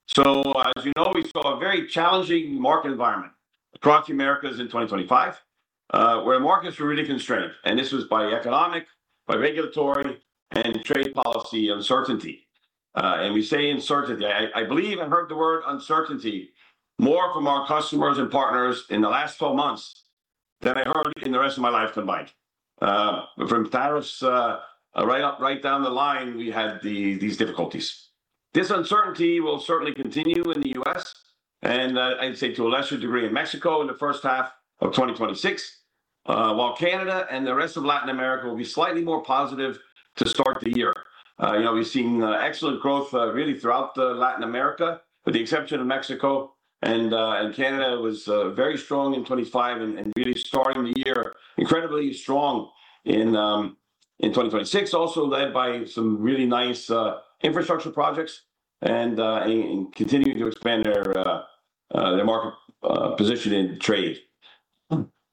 So as you know, we saw a very challenging market environment across the Americas in 2025, where markets were really constrained, and this was by economic, by regulatory, and trade policy uncertainty. And we say uncertainty. I believe I heard the word uncertainty more from our customers and partners in the last 12 months than I heard in the rest of my life combined. From tariffs, right up, right down the line, we had these difficulties. This uncertainty will certainly continue in the U.S., and, I'd say to a lesser degree in Mexico, in the first half of 2026.... While Canada and the rest of Latin America will be slightly more positive to start the year. You know, we've seen excellent growth really throughout Latin America, with the exception of Mexico, and Canada was very strong in 2025, and really starting the year incredibly strong in 2026, also led by some really nice infrastructure projects, and continuing to expand their market position in trade.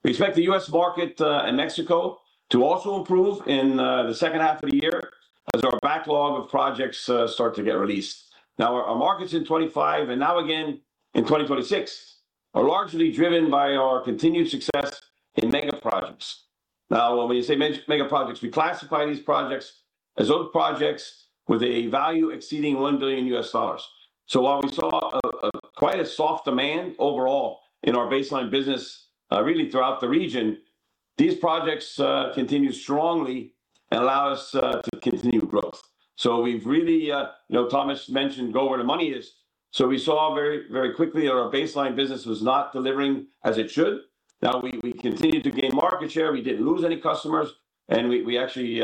We expect the U.S. market and Mexico to also improve in the second half of the year as our backlog of projects start to get released. Now, our markets in 2025 and now again in 2026 are largely driven by our continued success in mega projects. Now, when we say mega projects, we classify these projects as those projects with a value exceeding $1 billion. So while we saw quite a soft demand overall in our baseline business, really throughout the region, these projects continue strongly and allow us to continue growth. So we've really. You know, Thomas mentioned, "Go where the money is," so we saw very, very quickly that our baseline business was not delivering as it should. Now we continued to gain market share, we didn't lose any customers, and we actually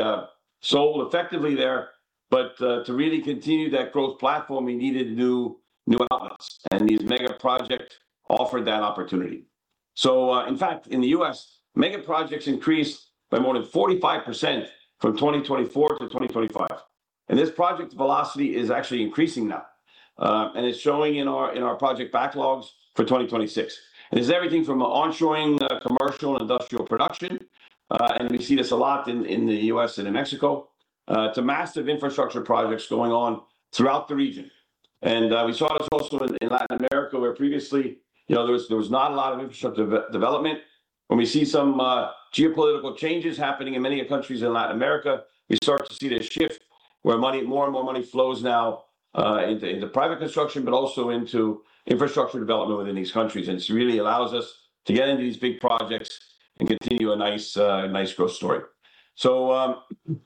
sold effectively there. But to really continue that growth platform, we needed new, new outlets, and these mega project offered that opportunity. So, in fact, in the U.S., mega projects increased by more than 45% from 2024-2025, and this project velocity is actually increasing now, and it's showing in our project backlogs for 2026. It is everything from onshoring, commercial and industrial production, and we see this a lot in the U.S. and in Mexico, to massive infrastructure projects going on throughout the region. And, we saw this also in Latin America, where previously, you know, there was not a lot of infrastructure development. When we see some geopolitical changes happening in many of countries in Latin America, we start to see this shift, where more and more money flows now into private construction, but also into infrastructure development within these countries. And this really allows us to get into these big projects and continue a nice, nice growth story. So,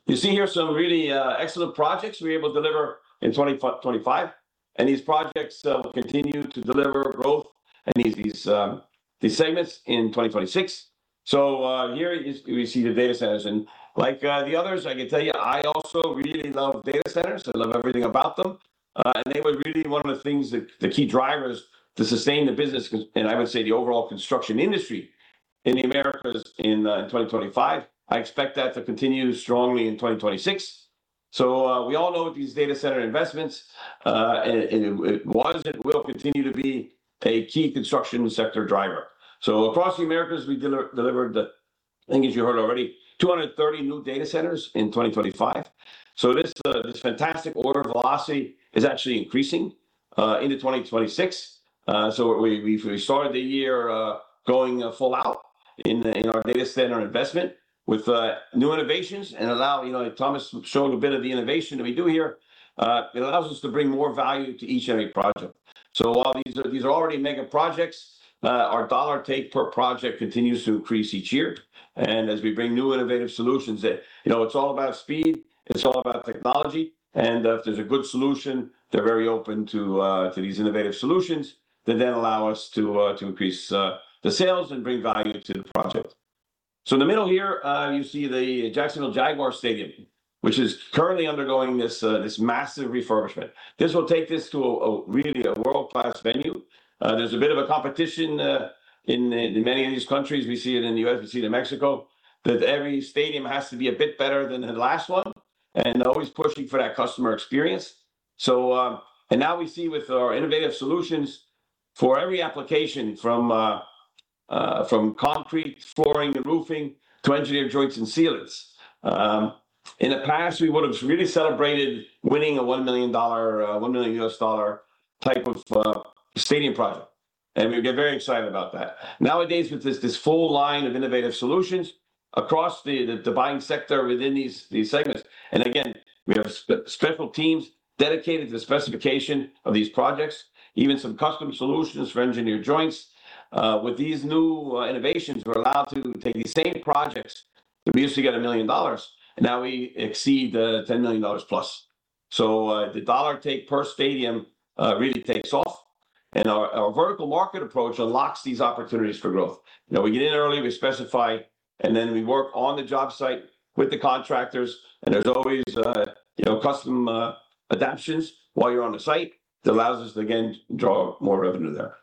you see here some really, excellent projects we were able to deliver in 2025, and these projects will continue to deliver growth in these segments in 2026. So, we see the data centers, and like, the others, I can tell you, I also really love data centers. I love everything about them. And they were really one of the things that, the key drivers to sustain the business, 'cause, and I would say the overall construction industry in the Americas in 2025. I expect that to continue strongly in 2026. So, we all know these data center investments, and it will continue to be a key construction sector driver. So across the Americas, we delivered, I think as you heard already, 230 new data centers in 2025. So this fantastic order velocity is actually increasing into 2026. So we started the year going full out in our data center investment with new innovations. You know, Thomas showed a bit of the innovation that we do here. It allows us to bring more value to each and every project. So while these are already mega projects, our dollar take per project continues to increase each year. As we bring new innovative solutions, it, you know, it's all about speed, it's all about technology, and, if there's a good solution, they're very open to, to these innovative solutions that then allow us to, to increase, the sales and bring value to the project. So in the middle here, you see the Jacksonville Jaguars Stadium, which is currently undergoing this, this massive refurbishment. This will take this to a, a really a world-class venue. There's a bit of a competition, in, in many of these countries, we see it in the U.S., we see it in Mexico, that every stadium has to be a bit better than the last one, and they're always pushing for that customer experience. So, and now we see with our innovative solutions for every application, from from concrete flooring and roofing to engineered joints and sealants. In the past, we would've really celebrated winning a $1 million, $1 million type of stadium project, and we'd get very excited about that. Nowadays, with this full line of innovative solutions across the buying sector within these segments, and again, we have special teams dedicated to the specification of these projects, even some custom solutions for engineered joints. With these new innovations, we're allowed to take these same projects that we used to get a million dollars, and now we exceed $10 million plus. So, the dollar take per stadium really takes off, and our vertical market approach unlocks these opportunities for growth. You know, we get in early, we specify, and then we work on the job site with the contractors, and there's always, you know, custom adaptations while you're on the site that allows us to, again, draw more revenue there.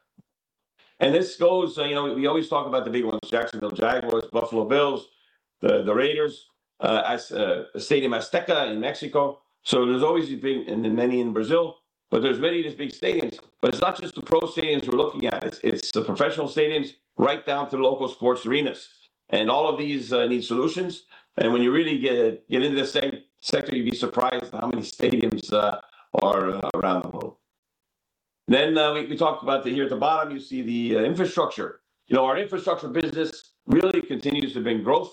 And this goes, you know, we always talk about the big ones, Jacksonville Jaguars, Buffalo Bills, the Raiders, as Estadio Azteca in Mexico, so there's always been, and then many in Brazil, but there's many of these big stadiums. But it's not just the pro stadiums we're looking at, it's the professional stadiums right down to the local sports arenas, and all of these need solutions. And when you really get into this stadium sector, you'd be surprised by how many stadiums are around the world. Then we talked about here at the bottom, you see the infrastructure. You know, our infrastructure business really continues to bring growth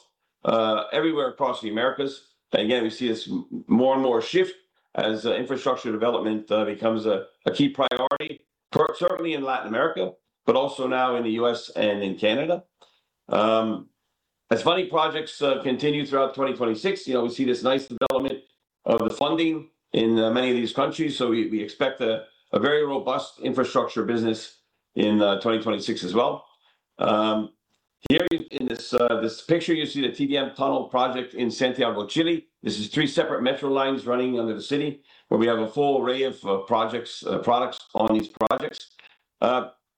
everywhere across the Americas. And again, we see this more and more shift as infrastructure development becomes a key priority, particularly in Latin America, but also now in the U.S. and in Canada. As funding projects continue throughout 2026, you know, we see this nice development of the funding in many of these countries, so we expect a very robust infrastructure business in 2026 as well. Here in this picture, you see the TBM Tunnel project in Santiago, Chile. This is three separate metro lines running under the city, where we have a full array of products on these projects.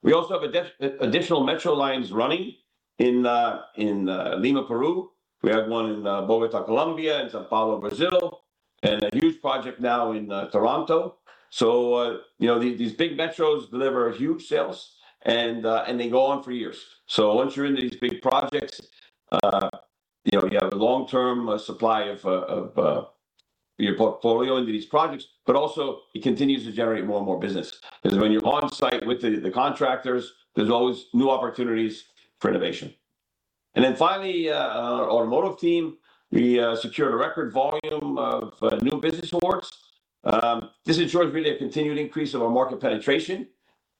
We also have additional metro lines running in Lima, Peru. We have one in Bogotá, Colombia, and São Paulo, Brazil, and a huge project now in Toronto. So you know, these big metros deliver huge sales, and they go on for years. So once you're in these big projects, you know, you have a long-term supply of your portfolio into these projects, but also it continues to generate more and more business. 'Cause when you're on-site with the contractors, there's always new opportunities for innovation. And then finally, our automotive team, we secured a record volume of new business awards. This ensures really a continued increase of our market penetration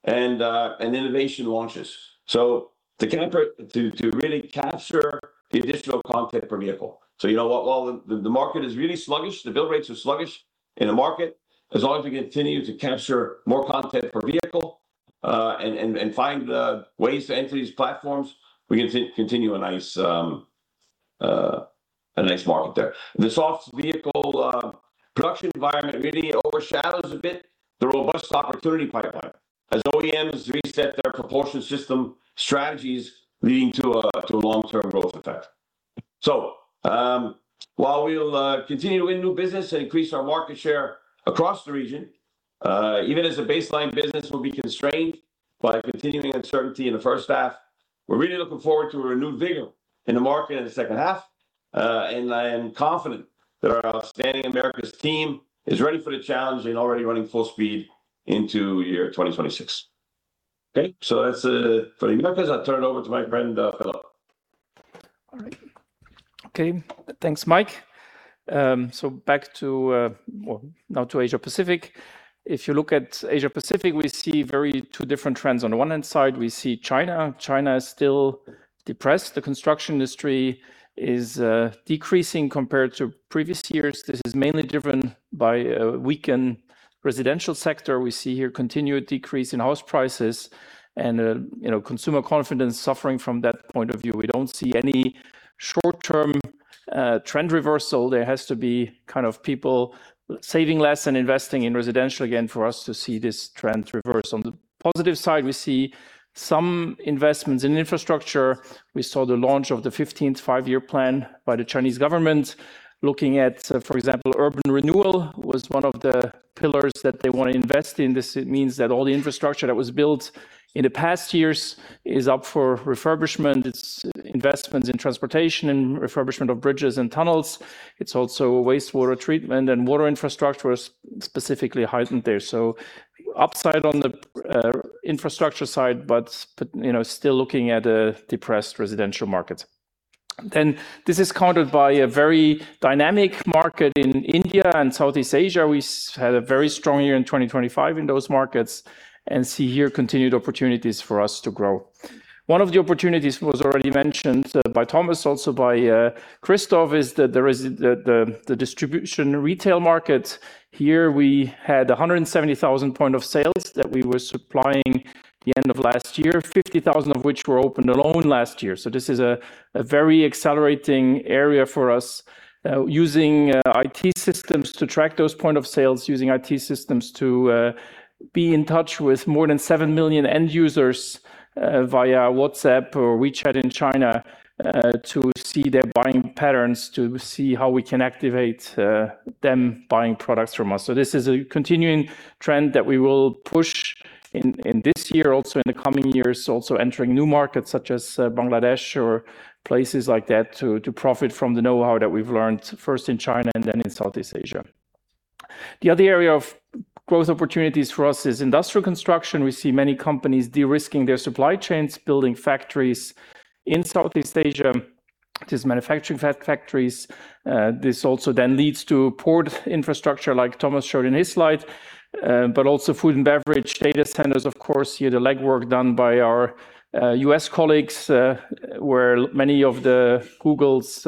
and innovation launches. So to really capture the additional content per vehicle. So you know what? While the market is really sluggish, the build rates are sluggish in the market, as long as we continue to capture more content per vehicle, and find ways to enter these platforms, we can continue a nice market there. The soft vehicle production environment really overshadows a bit the robust opportunity pipeline, as OEMs reset their propulsion system strategies, leading to a long-term growth effect. So, while we'll continue to win new business and increase our market share across the region, even as the baseline business will be constrained by continuing uncertainty in the first half, we're really looking forward to a renewed vigor in the market in the second half. I am confident that our outstanding Americas team is ready for the challenge and already running full speed into year 2026. Okay, so that's for the Americas. I'll turn it over to my friend, Philippe. All right. Okay, thanks, Mike. So back to, well, now to Asia Pacific. If you look at Asia Pacific, we see very two different trends. On the one hand side, we see China. China is still depressed. The construction industry is decreasing compared to previous years. This is mainly driven by a weakened residential sector. We see here continued decrease in house prices and, you know, consumer confidence suffering from that point of view. We don't see any short-term trend reversal. There has to be kind of people saving less and investing in residential again, for us to see this trend reverse. On the positive side, we see some investments in infrastructure. We saw the launch of the 15th five-year plan by the Chinese government. Looking at, for example, urban renewal was one of the pillars that they want to invest in this. It means that all the infrastructure that was built in the past years is up for refurbishment. It's investments in transportation and refurbishment of bridges and tunnels. It's also wastewater treatment and water infrastructure was specifically heightened there. So upside on the infrastructure side, but, but, you know, still looking at a depressed residential market. Then this is countered by a very dynamic market in India and Southeast Asia. We had a very strong year in 2025 in those markets and see here continued opportunities for us to grow. One of the opportunities was already mentioned by Thomas, also by Christoph, is that there is the distribution retail market. Here we had 170,000 points of sale that we were supplying the end of last year, 50,000 of which were opened alone last year. This is a very accelerating area for us, using IT systems to track those point of sales, using IT systems to be in touch with more than seven million end users via WhatsApp or WeChat in China, to see their buying patterns, to see how we can activate them buying products from us. This is a continuing trend that we will push in this year, also in the coming years, also entering new markets such as Bangladesh or places like that, to profit from the know-how that we've learned, first in China and then in Southeast Asia. The other area of growth opportunities for us is industrial construction. We see many companies de-risking their supply chains, building factories in Southeast Asia. It is manufacturing factories. This also then leads to port infrastructure, like Thomas showed in his slide, but also food and beverage, data centers, of course. Here, the legwork done by our US colleagues, where many of the Googles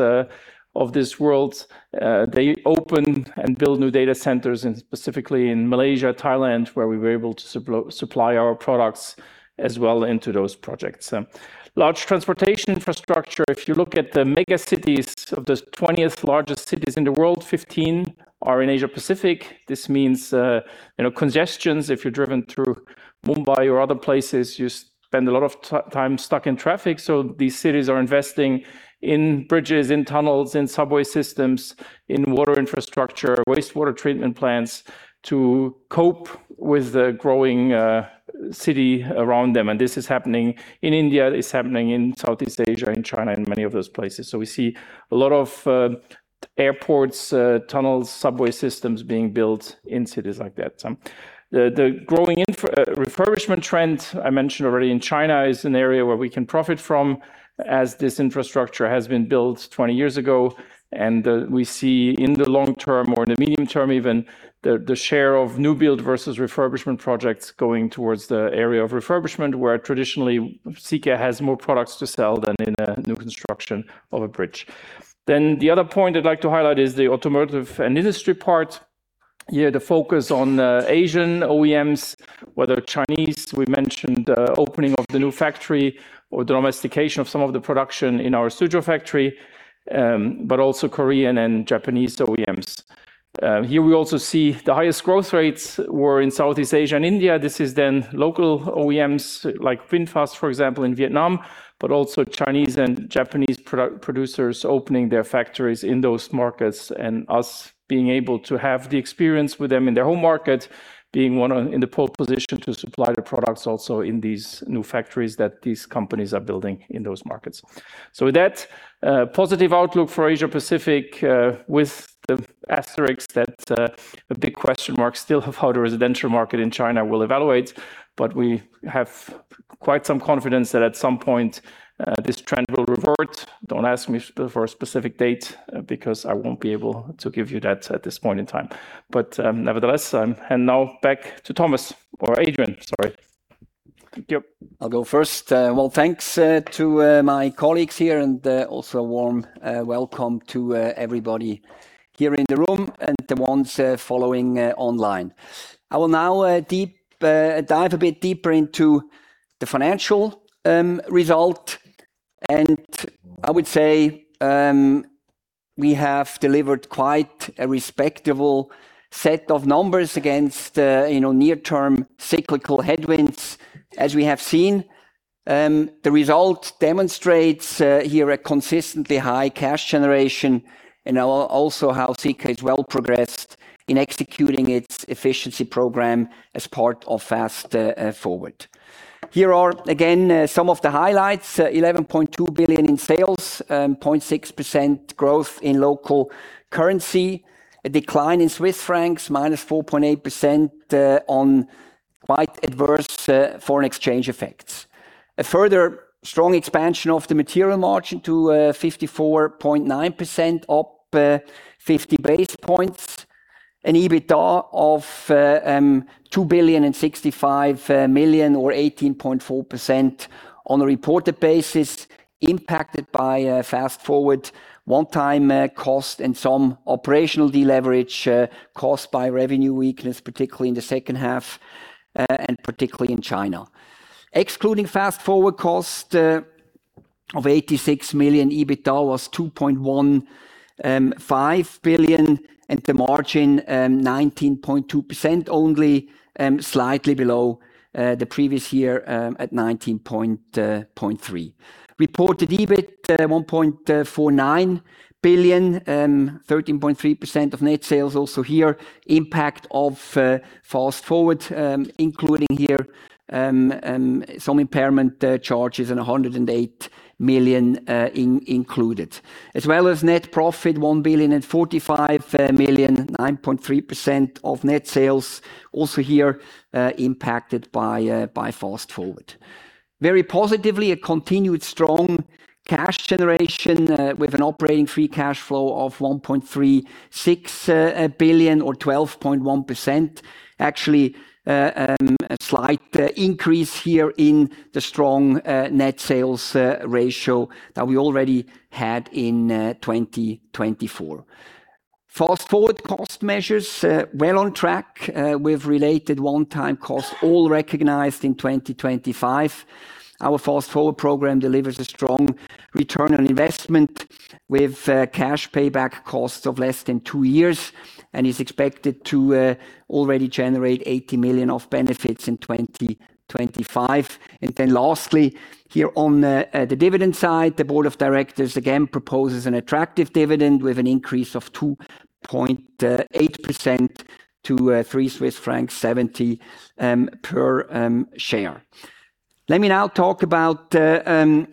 of this world they open and build new data centers, and specifically in Malaysia, Thailand, where we were able to supply our products as well into those projects. Large transportation infrastructure, if you look at the mega cities, of the 20 largest cities in the world, 15 are in Asia Pacific. This means, you know, congestions. If you're driven through Mumbai or other places, you spend a lot of time stuck in traffic. So these cities are investing in bridges, in tunnels, in subway systems, in water infrastructure, wastewater treatment plants, to cope with the growing city around them. And this is happening in India, it's happening in Southeast Asia, in China, and many of those places. So we see a lot of airports, tunnels, subway systems being built in cities like that. The growing infrastructure refurbishment trend, I mentioned already in China, is an area where we can profit from, as this infrastructure has been built 20 years ago. And we see in the long term, or in the medium term even, the share of new build versus refurbishment projects going towards the area of refurbishment, where traditionally Sika has more products to sell than in a new construction of a bridge. Then the other point I'd like to highlight is the automotive and industry part.... Here the focus on Asian OEMs, whether Chinese, we mentioned opening of the new factory or the domestication of some of the production in our Suzhou factory, but also Korean and Japanese OEMs. Here we also see the highest growth rates were in Southeast Asia and India. This is then local OEMs, like VinFast, for example, in Vietnam, but also Chinese and Japanese producers opening their factories in those markets, and us being able to have the experience with them in their home market, being in the pole position to supply the products also in these new factories that these companies are building in those markets. So with that, positive outlook for Asia Pacific, with the asterisks that, a big question mark still of how the residential market in China will evaluate, but we have quite some confidence that at some point, this trend will revert. Don't ask me for a specific date, because I won't be able to give you that at this point in time. But, nevertheless, and now back to Thomas or Adrian, sorry. Thank you. I'll go first. Well, thanks to my colleagues here, and also a warm welcome to everybody here in the room and the ones following online. I will now deep-dive a bit deeper into the financial result, and I would say we have delivered quite a respectable set of numbers against, you know, near-term cyclical headwinds, as we have seen. The result demonstrates here a consistently high cash generation, and also how Sika is well progressed in executing its efficiency program as part of Fast Forward. Here are, again, some of the highlights, 11.2 billion in sales, 0.6% growth in local currency, a decline in CHF, -4.8%, on quite adverse foreign exchange effects. A further strong expansion of the material margin to 54.9%, up 50 basis points. An EBITDA of 2.065 billion, or 18.4% on a reported basis, impacted by a Fast Forward one-time cost and some operational deleverage caused by revenue weakness, particularly in the second half, and particularly in China. Excluding Fast Forward cost of 86 million, EBITDA was 2.15 billion, and the margin 19.2%, only slightly below the previous year at 19.3%. Reported EBIT 1.49 billion, 13.3% of net sales. Also here, impact of Fast Forward, including here some impairment charges and 108 million included. As well as net profit, 1.045 billion, 9.3% of net sales, also here, impacted by, by Fast Forward. Very positively, a continued strong cash generation, with an operating free cash flow of 1.36 billion or 12.1%. Actually, a slight, increase here in the strong, net sales, ratio that we already had in, 2024. Fast Forward cost measures, well on track, with related one-time costs all recognized in 2025. Our Fast Forward program delivers a strong return on investment with, cash payback costs of less than two years, and is expected to, already generate 80 million of benefits in 2025. And then lastly, here on the dividend side, the board of directors again proposes an attractive dividend with an increase of 2.8% to 3.70 Swiss francs per share. Let me now talk about some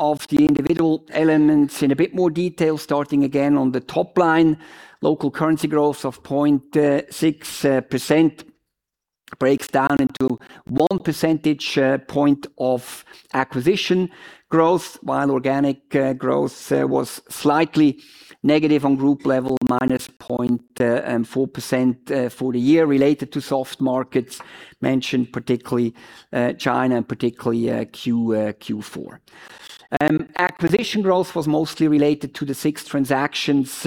of the individual elements in a bit more detail, starting again on the top line. Local currency growth of 0.6% breaks down into 1 percentage point of acquisition growth, while organic growth was slightly negative on group level, minus 0.4% for the year related to soft markets, mentioned, particularly China and particularly Q4. Acquisition growth was mostly related to the six transactions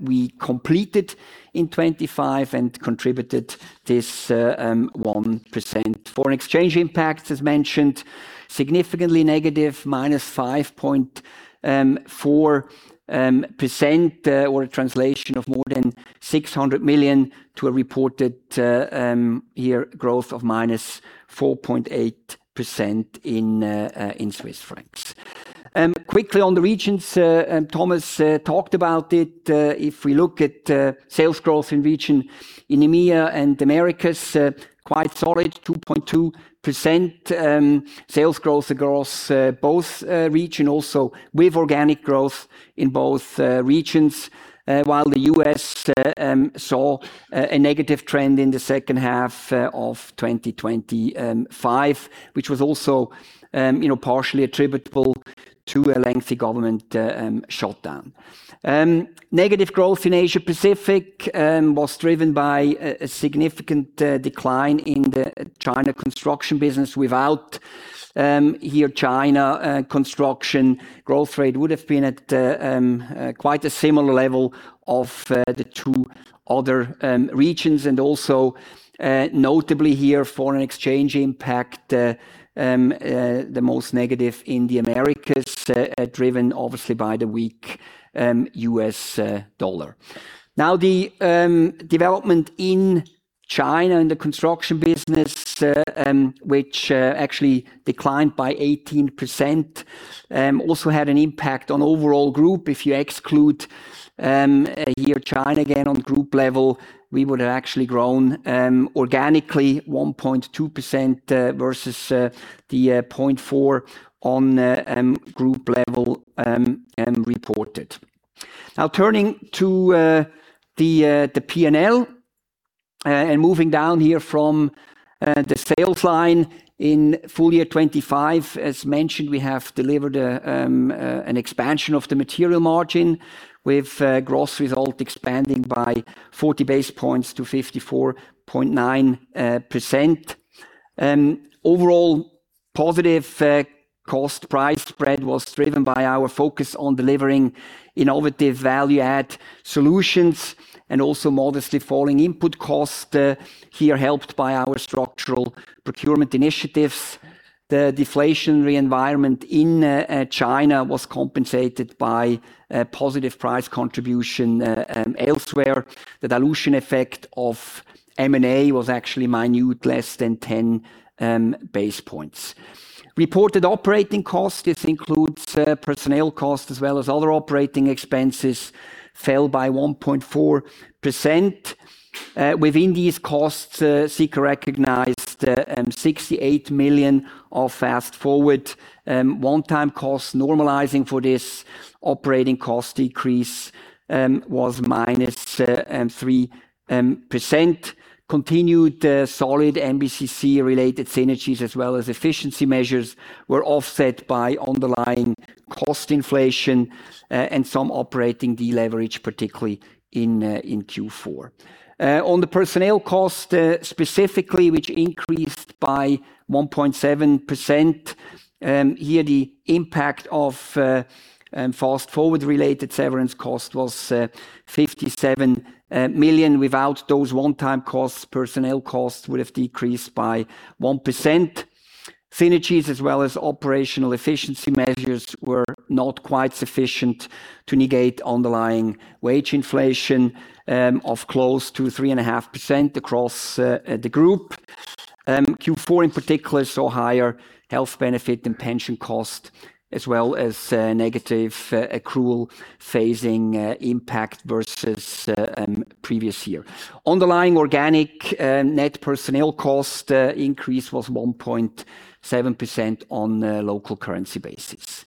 we completed in 2025 and contributed this 1%. Foreign exchange impacts, as mentioned, significantly negative, -5.4%, or a translation of more than 600 million to a reported year growth of -4.8% in Swiss francs. Quickly on the regions, Thomas talked about it. If we look at sales growth in region, in EMEA and Americas, quite solid, 2.2% sales growth across both region, also with organic growth in both regions, while the U.S. saw a negative trend in the second half of 2025, which was also, you know, partially attributable to a lengthy government shutdown. Negative growth in Asia Pacific was driven by a significant decline in the China construction business. Without here China, construction growth rate would have been at quite a similar level of the two other regions. And also, notably here, foreign exchange impact the most negative in the Americas, driven obviously by the weak US dollar. Now, the development in China and the construction business, which actually declined by 18%, also had an impact on overall group. If you exclude here China again, on group level, we would have actually grown organically 1.2% versus the 0.4% on group level and reported. Now, turning to the P&L and moving down here from the sales line in full year 2025. As mentioned, we have delivered an expansion of the material margin, with gross result expanding by 40 base points to 54.9%. Overall positive cost price spread was driven by our focus on delivering innovative value-add solutions and also modestly falling input costs, here helped by our structural procurement initiatives. The deflationary environment in China was compensated by a positive price contribution elsewhere. The dilution effect of M&A was actually minute, less than 10 base points. Reported operating costs, this includes personnel costs as well as other operating expenses, fell by 1.4%. Within these costs, Sika recognized 68 million of Fast Forward one-time costs. Normalizing for this operating cost decrease was minus 3%. Continued solid MBCC-related synergies, as well as efficiency measures, were offset by underlying cost inflation and some operating deleverage, particularly in Q4. On the personnel cost specifically, which increased by 1.7%, the impact of Fast Forward-related severance cost was 57 million. Without those one-time costs, personnel costs would have decreased by 1%. Synergies, as well as operational efficiency measures, were not quite sufficient to negate underlying wage inflation of close to 3.5% across the group. Q4 in particular saw higher health benefit and pension cost, as well as negative accrual phasing impact versus previous year. Underlying organic net personnel cost increase was 1.7% on a local currency basis.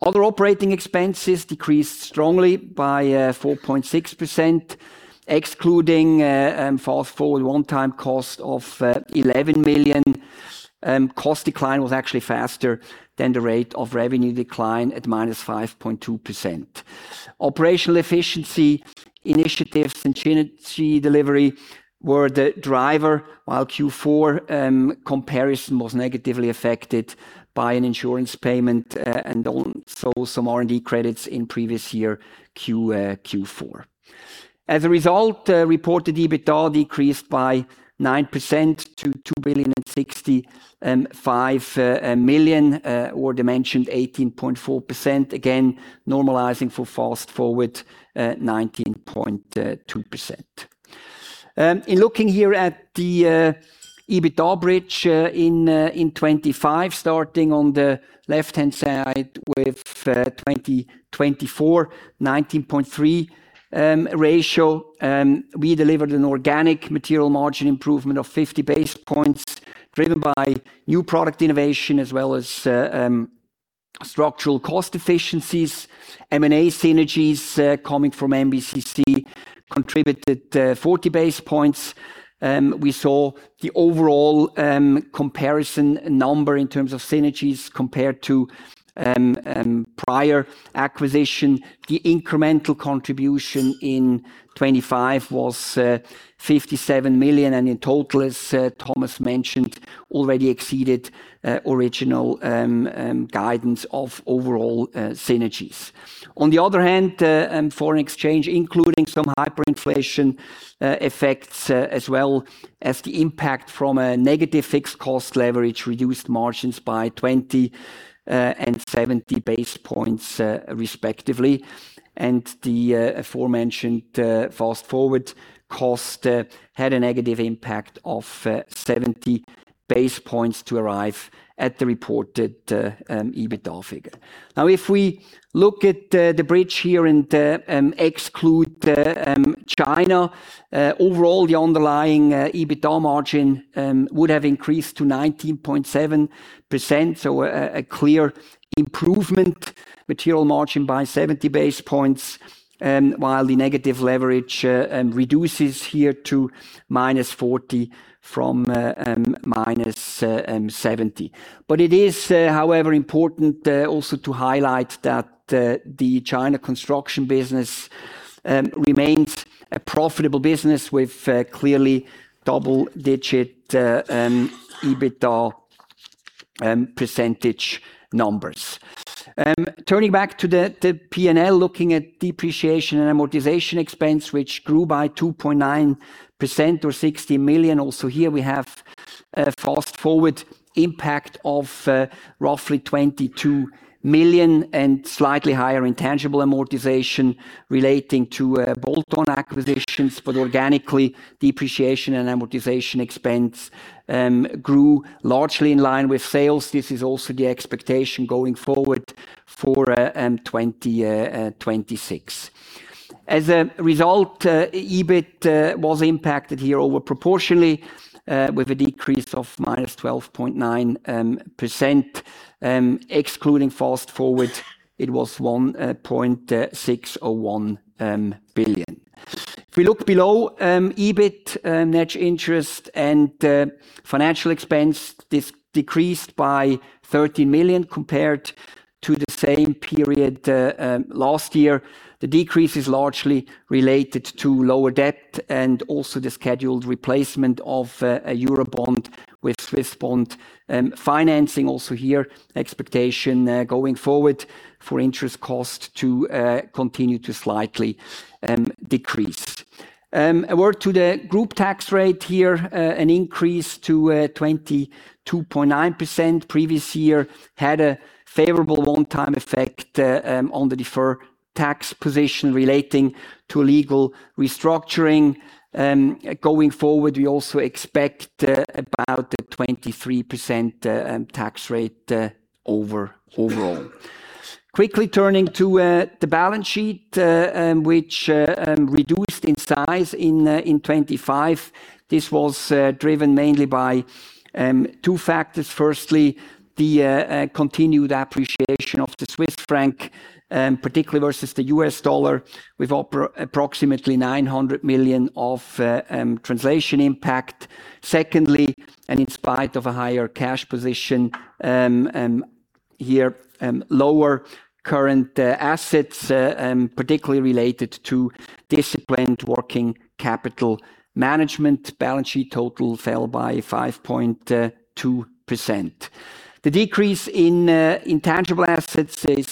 Other operating expenses decreased strongly by 4.6%, excluding Fast Forward one-time cost of 11 million. Cost decline was actually faster than the rate of revenue decline at -5.2%. Operational efficiency initiatives and synergy delivery were the driver, while Q4 comparison was negatively affected by an insurance payment, and also some R&D credits in previous year Q4. As a result, reported EBITDA decreased by 9% to 2,065 million, or diminished 18.4%. Again, normalizing for Fast Forward, 19.2%. In looking here at the EBITDA bridge in 2025, starting on the left-hand side with 2024, 19.3 ratio, we delivered an organic material margin improvement of 50 basis points, driven by new product innovation, as well as structural cost efficiencies. M&A synergies coming from MBCC contributed 40 basis points. We saw the overall comparison number in terms of synergies compared to prior acquisition. The incremental contribution in 2025 was 57 million, and in total, as Thomas mentioned, already exceeded original guidance of overall synergies. On the other hand, foreign exchange, including some hyperinflation effects, as well as the impact from a negative fixed cost leverage, reduced margins by 20 and 70 basis points, respectively. The aforementioned Fast Forward cost had a negative impact of 70 basis points to arrive at the reported EBITDA figure. Now, if we look at the bridge here and exclude China, overall, the underlying EBITDA margin would have increased to 19.7%, so a clear improvement material margin by 70 basis points, while the negative leverage reduces here to -40 from -70. But it is, however, important also to highlight that the China construction business remains a profitable business with clearly double-digit EBITDA percentage numbers. Turning back to the P&L, looking at depreciation and amortization expense, which grew by 2.9% or 60 million. Also here we have-... Fast Forward impact of roughly 22 million and slightly higher intangible amortization relating to bolt-on acquisitions. But organically, depreciation and amortization expense grew largely in line with sales. This is also the expectation going forward for 2026. As a result, EBIT was impacted here over proportionally with a decrease of -12.9%. Excluding Fast Forward, it was 1.601 billion. If we look below EBIT, net interest and financial expense, this decreased by 13 million compared to the same period last year. The decrease is largely related to lower debt and also the scheduled replacement of a Eurobond with Swiss bond. Financing also here, expectation going forward for interest cost to continue to slightly decrease. A word to the group tax rate here, an increase to 22.9%. Previous year had a favorable one-time effect on the deferred tax position relating to a legal restructuring. Going forward, we also expect about a 23% tax rate overall. Quickly turning to the balance sheet, which reduced in size in 2025. This was driven mainly by two factors. Firstly, the continued appreciation of the Swiss franc, particularly versus the U.S. dollar, with approximately 900 million of translation impact. Secondly, and in spite of a higher cash position here, lower current assets, particularly related to disciplined working capital management, balance sheet total fell by 5.2%. The decrease in intangible assets is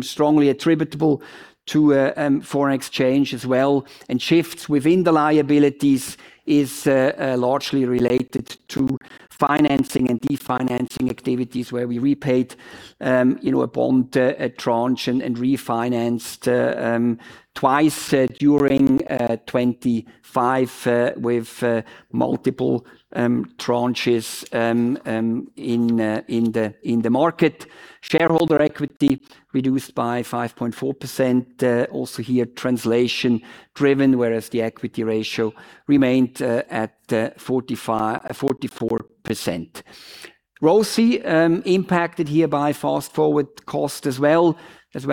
strongly attributable to foreign exchange as well, and shifts within the liabilities is largely related to financing and def financing activities, where we repaid, you know, a bond tranche and refinanced twice during 2025 with multiple tranches in the market. Shareholder equity reduced by 5.4%. Also here, translation driven, whereas the equity ratio remained at 44%. ROCE, impacted here by Fast Forward cost as well as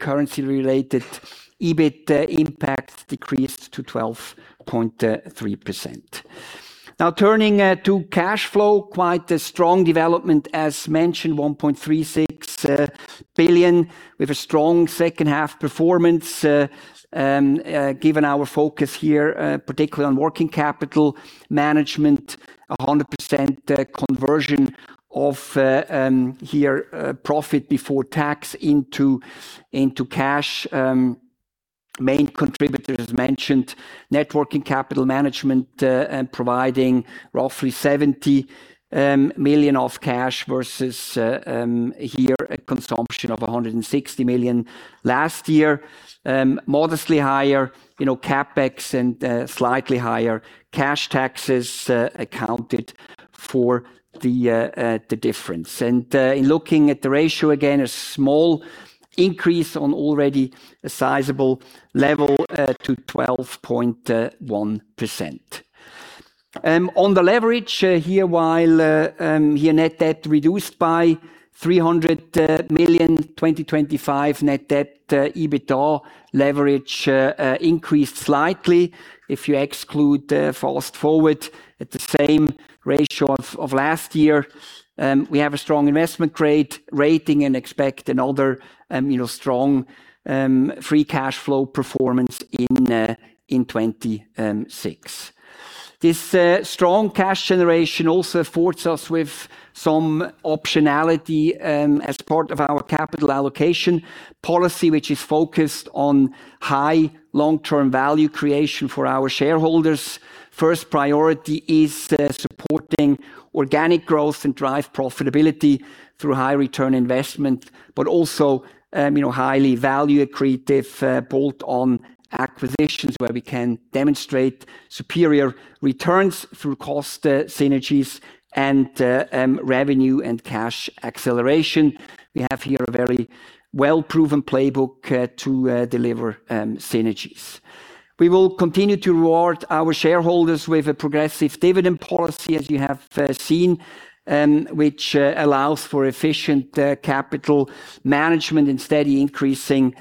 currency-related EBIT impact, decreased to 12.3%. Now, turning to cash flow, quite a strong development. As mentioned, 1.36 billion, with a strong second half performance, given our focus here, particularly on working capital management, 100% conversion of our profit before tax into cash. Main contributors mentioned, net working capital management, and providing roughly 70 million of cash versus a consumption of 160 million last year, modestly higher, you know, CapEx and slightly higher cash taxes accounted for the difference. And in looking at the ratio again, a small increase on already a sizable level to 12.1%. On the leverage, while net debt reduced by 300 million, 2025 net debt EBITDA leverage increased slightly. If you exclude Fast Forward at the same ratio of last year. We have a strong investment grade rating and expect another, you know, strong free cash flow performance in 2026. This strong cash generation also affords us with some optionality as part of our capital allocation policy, which is focused on high long-term value creation for our shareholders. First priority is supporting organic growth and drive profitability through high return investment, but also, you know, highly value accretive bolt-on acquisitions, where we can demonstrate superior returns through cost synergies and revenue and cash acceleration. We have here a very well-proven playbook to deliver synergies. We will continue to reward our shareholders with a progressive dividend policy, as you have seen, which allows for efficient capital management and steady increasing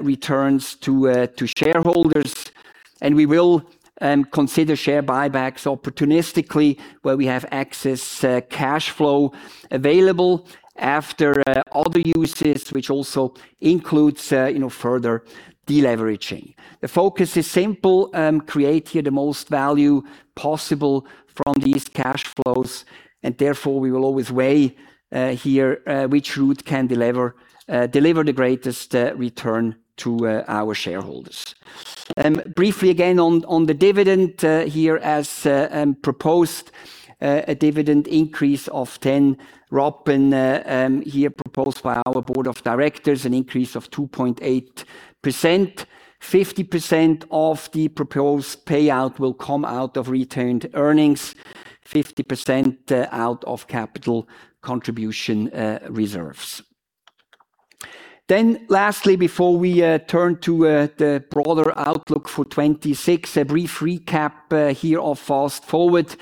returns to shareholders. And we will consider share buybacks opportunistically where we have excess cash flow available after other uses, which also includes, you know, further deleveraging. The focus is simple: create the most value possible from these cash flows, and therefore, we will always weigh which route can deliver the greatest return to our shareholders. Briefly, again, on the dividend, as proposed, a dividend increase of 10 Rappen proposed by our board of directors, an increase of 2.8%. 50% of the proposed payout will come out of retained earnings, 50%, out of capital contribution reserves. Then lastly, before we turn to the broader outlook for 2026, a brief recap here of Fast Forward,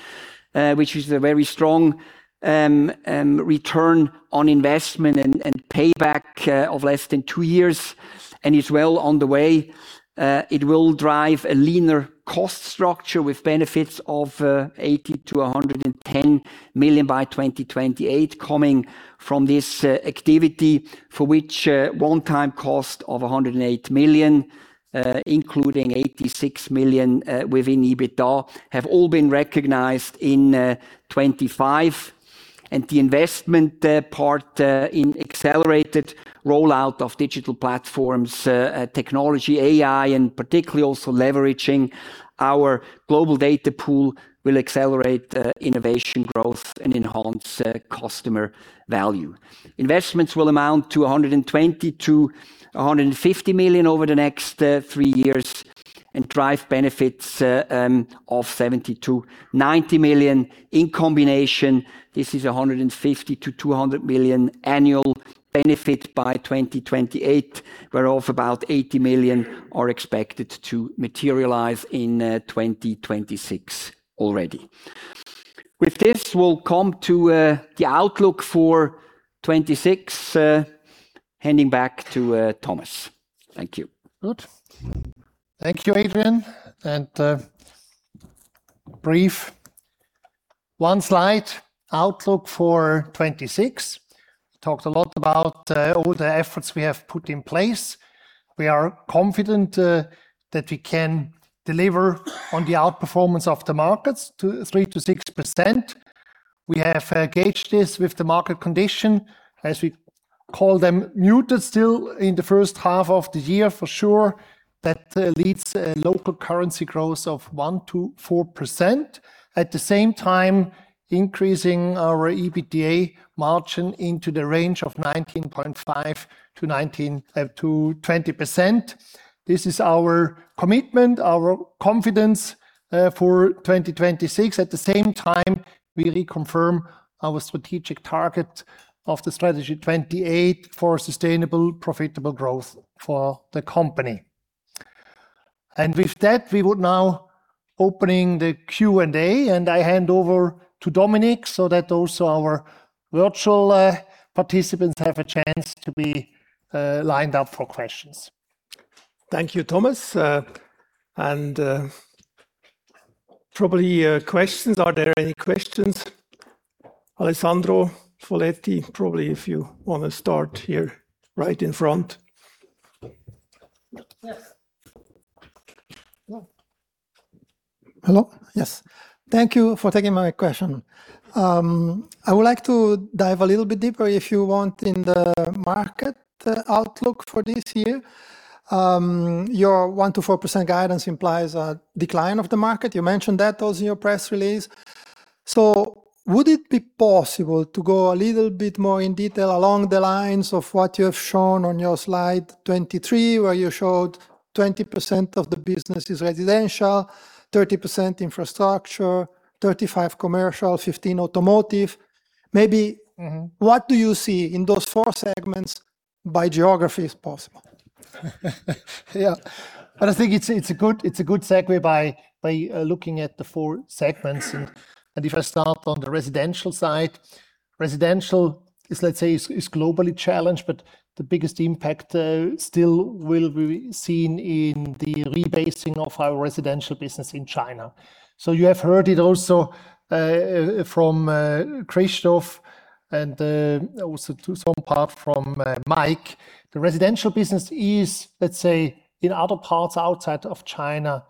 which is a very strong return on investment and payback of less than two years and is well on the way. It will drive a leaner cost structure with benefits of 80-110 million by 2028 coming from this activity, for which a one-time cost of 108 million, including 86 million within EBITDA, have all been recognized in 2025. And the investment in accelerated rollout of digital platforms, technology, AI, and particularly also leveraging our global data pool, will accelerate innovation growth and enhance customer value. Investments will amount to 120 million-150 million over the next three years and drive benefits of 70 million-90 million. In combination, this is a 150 million-200 million annual benefit by 2028, whereof about 80 million are expected to materialize in 2026 already. With this, we'll come to the outlook for 2026. Handing back to Thomas. Thank you. Good. Thank you, Adrian, and brief one slide, outlook for 2026. Talked a lot about all the efforts we have put in place. We are confident that we can deliver on the outperformance of the markets to 3%-6%. We have gauged this with the market condition, as we call them, muted still in the first half of the year, for sure. That leaves a local currency growth of 1%-4%. At the same time, increasing our EBITDA margin into the range of 19.5%-20%. This is our commitment, our confidence for 2026. At the same time, we reconfirm our strategic target of the Strategy 2028 for sustainable, profitable growth for the company. And with that, we would now open the Q&A, and I hand over to Dominik, so that also our virtual participants have a chance to be lined up for questions. Thank you, Thomas. And probably questions. Are there any questions? Alessandro Foletti, probably if you wanna start here, right in front. Yes. Hello? Hello, yes. Thank you for taking my question. I would like to dive a little bit deeper, if you want, in the market outlook for this year. Your 1%-4% guidance implies a decline of the market. You mentioned that also in your press release. So would it be possible to go a little bit more in detail along the lines of what you have shown on your slide 23, where you showed 20% of the business is residential, 30% infrastructure, 35% commercial, 15% automotive? Maybe- Mm-hmm. What do you see in those four segments by geography, if possible? Yeah. But I think it's a good segue by looking at the four segments. And if I start on the residential side, residential is, let's say, globally challenged, but the biggest impact still will be seen in the rebasing of our residential business in China. So you have heard it also from Christoph, and also to some part from Mike. The residential business is, let's say, in other parts outside of China,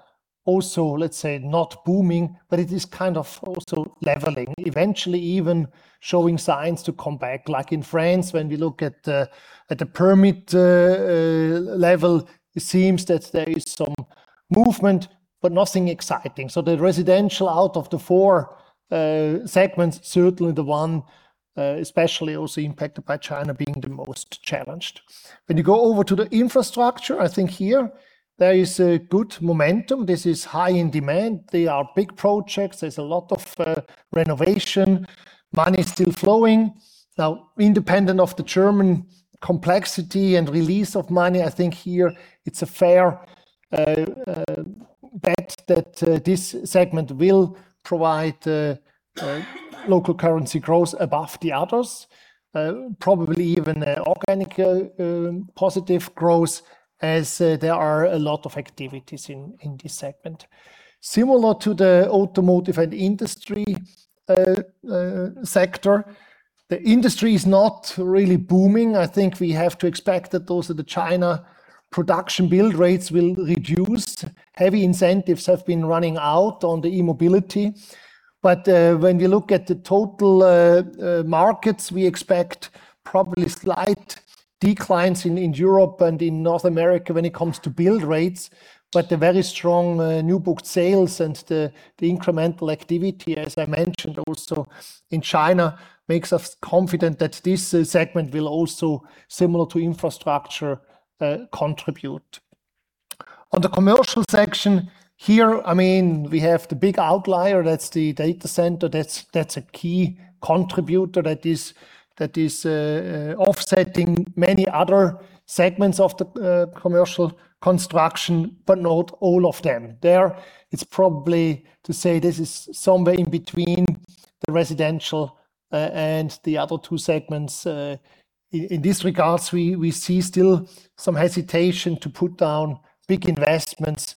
also, let's say, not booming, but it is kind of also leveling. Eventually, even showing signs to come back, like in France, when we look at the permit level, it seems that there is some movement, but nothing exciting. So the residential, out of the four segments, certainly the one especially also impacted by China being the most challenged. When you go over to the infrastructure, I think here there is a good momentum. This is high in demand. They are big projects. There's a lot of renovation. Money is still flowing. Now, independent of the German complexity and release of money, I think here it's a fair bet that this segment will provide local currency grows above the others, probably even organic positive growth as there are a lot of activities in this segment. Similar to the automotive and industry sector, the industry is not really booming. I think we have to expect that those are the China production build rates will reduce. Heavy incentives have been running out on the e-mobility, but when we look at the total markets, we expect probably slight declines in Europe and in North America when it comes to build rates. But the very strong new booked sales and the incremental activity, as I mentioned also in China, makes us confident that this segment will also, similar to infrastructure, contribute. On the commercial section here, I mean, we have the big outlier, that's the data center. That's a key contributor that is offsetting many other segments of the commercial construction, but not all of them. There, it's probably to say this is somewhere in between the residential and the other two segments. In this regard, we see still some hesitation to put down big investments,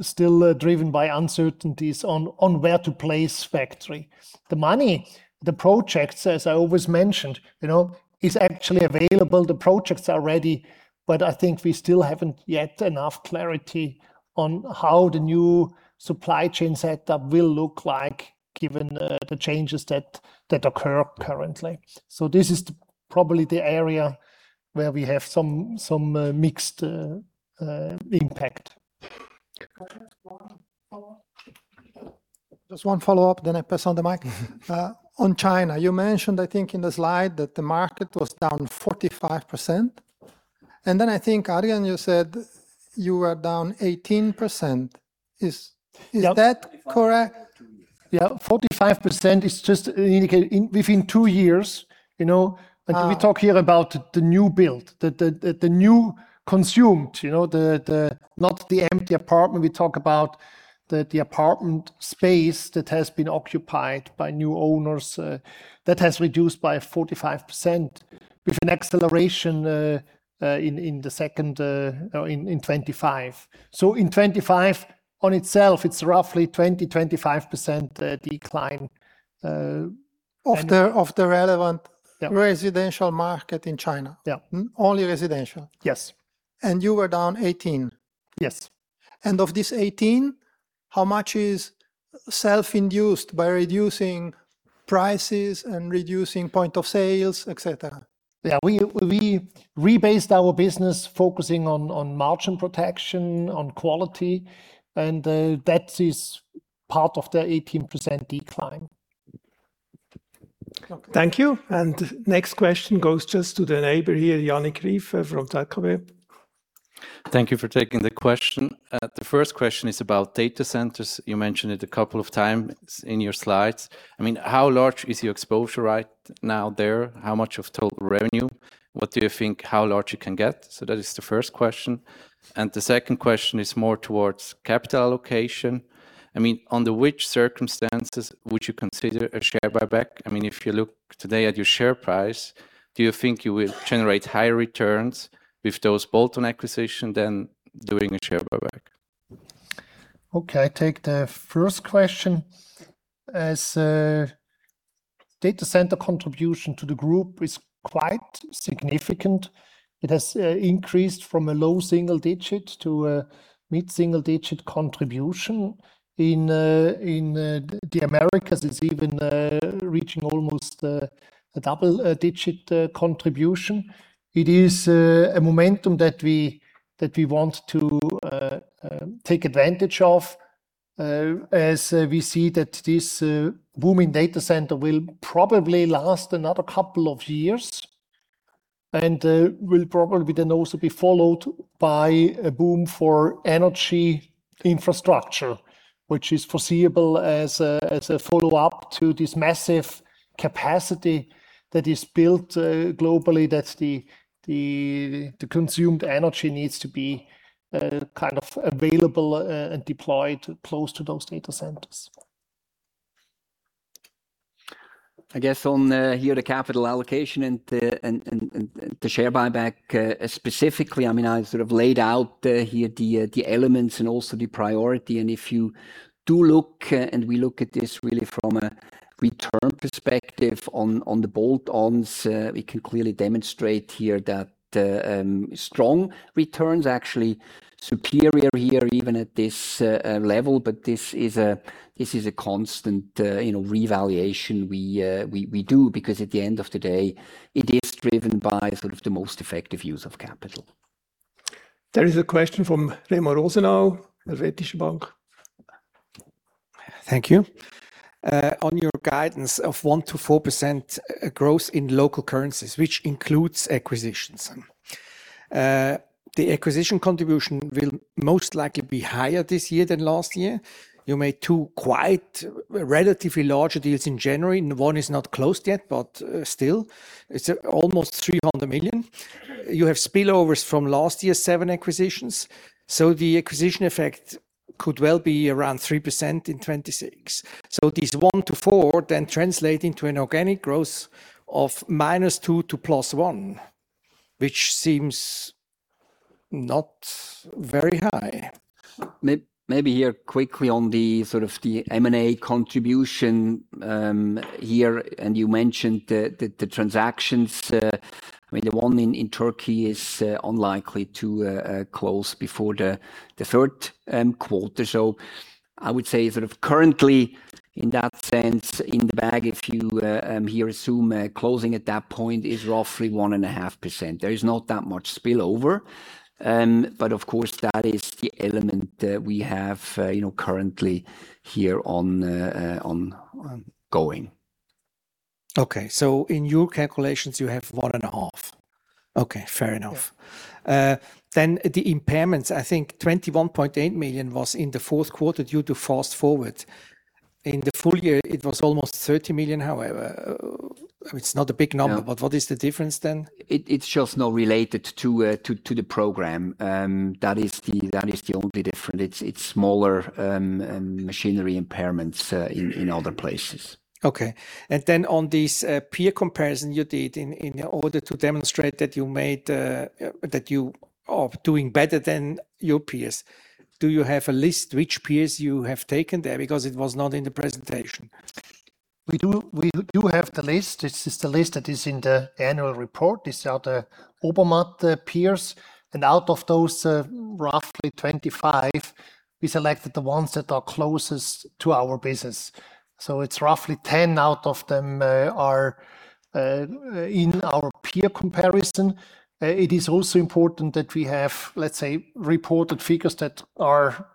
still driven by uncertainties on where to place factory. The money, the projects, as I always mentioned, you know, is actually available. The projects are ready, but I think we still haven't yet enough clarity on how the new supply chain setup will look like, given the changes that occur currently. So this is probably the area where we have some mixed impact. Just one follow-up, just one follow-up, then I pass on the mic. On China, you mentioned, I think in the slide, that the market was down 45%, and then I think, Adrian, you said you were down 18%. Is- Yep. Is that correct? Yeah, 45% is just indicate... in, within two years, you know? Ah. Like we talk here about the new build, the new consumed, you know, the not the empty apartment. We talk about the apartment space that has been occupied by new owners that has reduced by 45%, with an acceleration in the second or in 2025. So in 2025, on itself, it's roughly 20-25% decline, and- Of the relevant- Yep... residential market in China? Yeah. Mm, only residential? Yes. You were down 18? Yes. Of this 18, how much is self-induced by reducing prices and reducing point of sales, et cetera? Yeah, we rebased our business, focusing on margin protection, on quality, and that is part of the 18% decline. Thank you. Next question goes just to the neighbor here, Yannik Ryf from ZKB. Thank you for taking the question. The first question is about data centers. You mentioned it a couple of times in your slides. I mean, how large is your exposure right now there? How much of total revenue? What do you think, how large it can get? So that is the first question. And the second question is more towards capital allocation. I mean, under which circumstances would you consider a share buyback? I mean, if you look today at your share price, do you think you will generate higher returns with those bolt-on acquisition than doing a share buyback? Okay, I take the first question. As data center contribution to the group is quite significant. It has increased from a low single digit to a mid-single digit contribution. In the Americas, it's even reaching almost a double digit contribution. It is a momentum that we want to take advantage of, as we see that this booming data center will probably last another couple of years, and will probably then also be followed by a boom for energy infrastructure, which is foreseeable as a follow-up to this massive capacity that is built globally. That's the consumed energy needs to be kind of available and deployed close to those data centers. I guess on the here, the capital allocation and the share buyback, specifically, I mean, I sort of laid out here the elements and also the priority. And if you do look and we look at this really from a return perspective on the bolt-ons, we can clearly demonstrate here that strong returns actually superior here, even at this level. But this is a, this is a constant, you know, revaluation we do, because at the end of the day, it is driven by sort of the most effective use of capital. There is a question from Remo Rosenau, Deutsche bank. Thank you. On your guidance of 1%-4% growth in local currencies, which includes acquisitions, and the acquisition contribution will most likely be higher this year than last year. You made two quite relatively larger deals in January, and one is not closed yet, but still it's almost 300 million. You have spillovers from last year's seven acquisitions, so the acquisition effect could well be around 3% in 2026. So this 1%-4% then translating to an organic growth of -2%-+1%, which seems not very high. Maybe here quickly on the sort of the M&A contribution, here, and you mentioned the transactions, I mean, the one in Turkey is unlikely to close before the third quarter. So I would say sort of currently, in that sense, in the bag, if you assume closing at that point is roughly 1.5%. There is not that much spillover, but of course, that is the element we have, you know, currently ongoing. Okay. So in your calculations, you have 1.5? Okay, fair enough. Yeah. Then the impairments, I think 21.8 million was in the fourth quarter due to Fast Forward. In the full year, it was almost 30 million, however. It's not a big number- Yeah. But what is the difference then? It's just not related to the program. That is the only difference. It's smaller machinery impairments in other places. Okay. And then on this peer comparison you did in order to demonstrate that you are doing better than your peers, do you have a list which peers you have taken there? Because it was not in the presentation. We do. We do have the list. It's just the list that is in the annual report. These are the Obermatt peers, and out of those, roughly 25, we selected the ones that are closest to our business. It's roughly 10 out of them are in our peer comparison. It is also important that we have, let's say, reported figures that are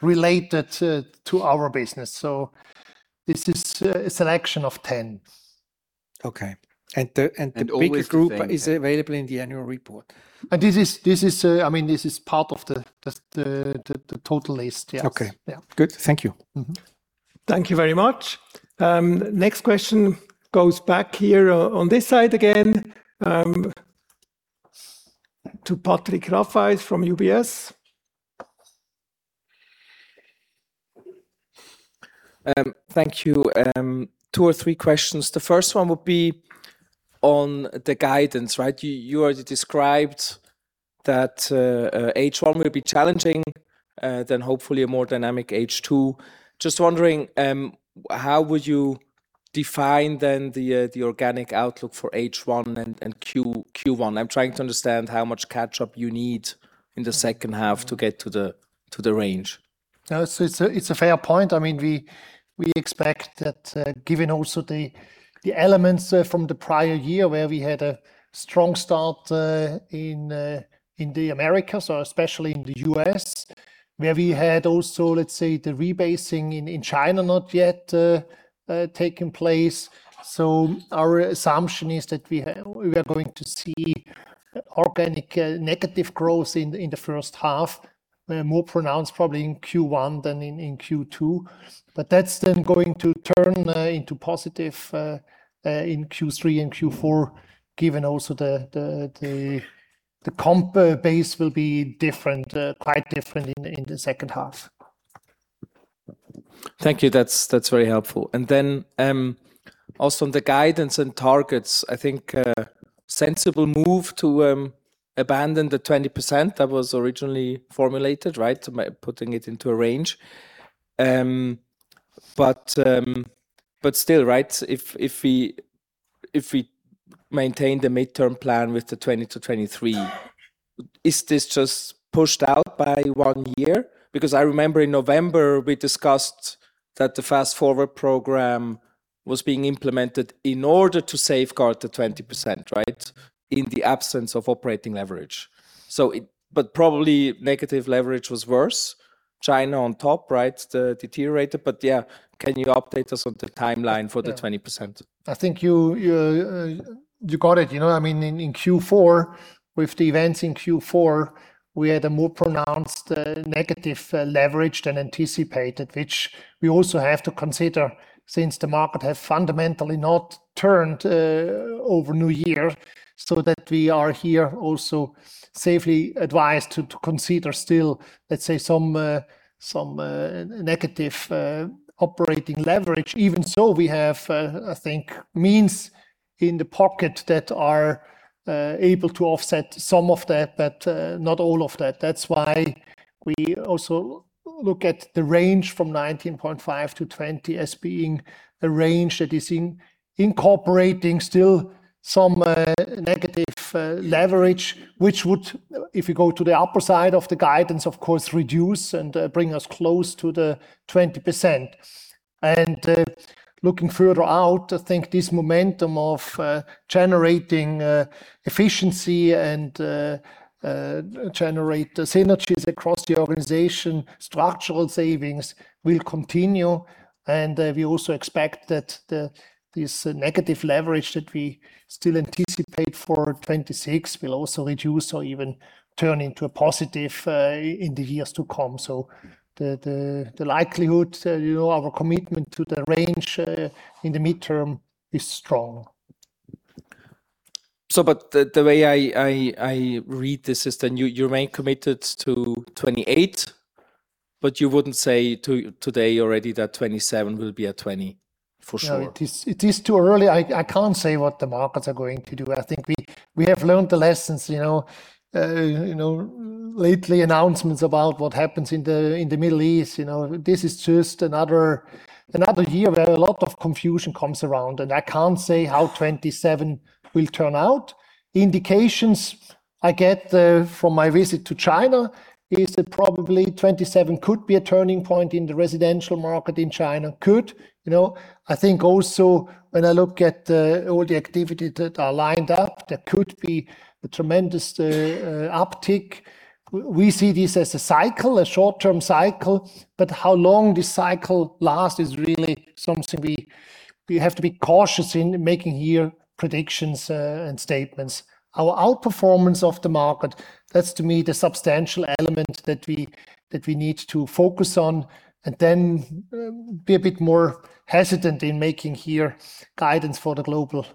related to our business. This is a selection of 10. Okay. And the bigger group- And always the same.... is available in the annual report. This is, I mean, this is part of the total list, yes. Okay. Yeah. Good. Thank you. Mm-hmm. Thank you very much. Next question goes back here on this side again, to Patrick Rafaisz from UBS. Thank you. Two or three questions. The first one would be on the guidance, right? You already described that H1 will be challenging, then hopefully a more dynamic H2. Just wondering, how would you define then the organic outlook for H1 and Q1? I'm trying to understand how much catch-up you need in the second half to get to the range. No, it's a fair point. I mean, we expect that, given also the elements from the prior year, where we had a strong start in the Americas, especially in the US, where we had also, let's say, the rebasing in China not yet taken place. So our assumption is that we are going to see organic negative growth in the first half, more pronounced probably in Q1 than in Q2. But that's then going to turn into positive in Q3 and Q4, given also the comp base will be different, quite different in the second half. Thank you. That's, that's very helpful. And then, also on the guidance and targets, I think, sensible move to abandon the 20% that was originally formulated, right? By putting it into a range. But, but still, right, if, if we, if we maintain the midterm plan with the 20%-23%, is this just pushed out by one year? Because I remember in November, we discussed that the Fast Forward program was being implemented in order to safeguard the 20%, right? In the absence of operating leverage. So it... But probably negative leverage was worse, China on top, right, the deteriorated. But yeah, can you update us on the timeline for the 20%? I think you got it. You know, I mean, in Q4, with the events in Q4, we had a more pronounced negative leverage than anticipated, which we also have to consider, since the market has fundamentally not turned over New Year, so that we are here also safely advised to consider still, let's say, some negative operating leverage. Even so, we have, I think, means in the pocket that are able to offset some of that, but not all of that. That's why we also look at the range from 19.5%-20% as being a range that is incorporating still some negative leverage, which would, if you go to the upper side of the guidance, of course, reduce and bring us close to the 20%. Looking further out, I think this momentum of generating synergies across the organization, structural savings will continue, and we also expect that this negative leverage that we still anticipate for 2026 will also reduce or even turn into a positive in the years to come. So the likelihood, you know, our commitment to the range in the midterm is strong.... the way I read this is that you remain committed to 28, but you wouldn't say today already that 27 will be a 20 for sure? No, it is too early. I can't say what the markets are going to do. I think we have learned the lessons, you know, lately announcements about what happens in the Middle East, you know? This is just another year where a lot of confusion comes around, and I can't say how 2027 will turn out. Indications I get from my visit to China is that probably 2027 could be a turning point in the residential market in China. Could, you know. I think also when I look at all the activity that are lined up, there could be a tremendous uptick. We see this as a cycle, a short-term cycle, but how long this cycle lasts is really something we have to be cautious in making year predictions and statements. Our outperformance of the market, that's to me, the substantial element that we need to focus on, and then be a bit more hesitant in making our guidance for the global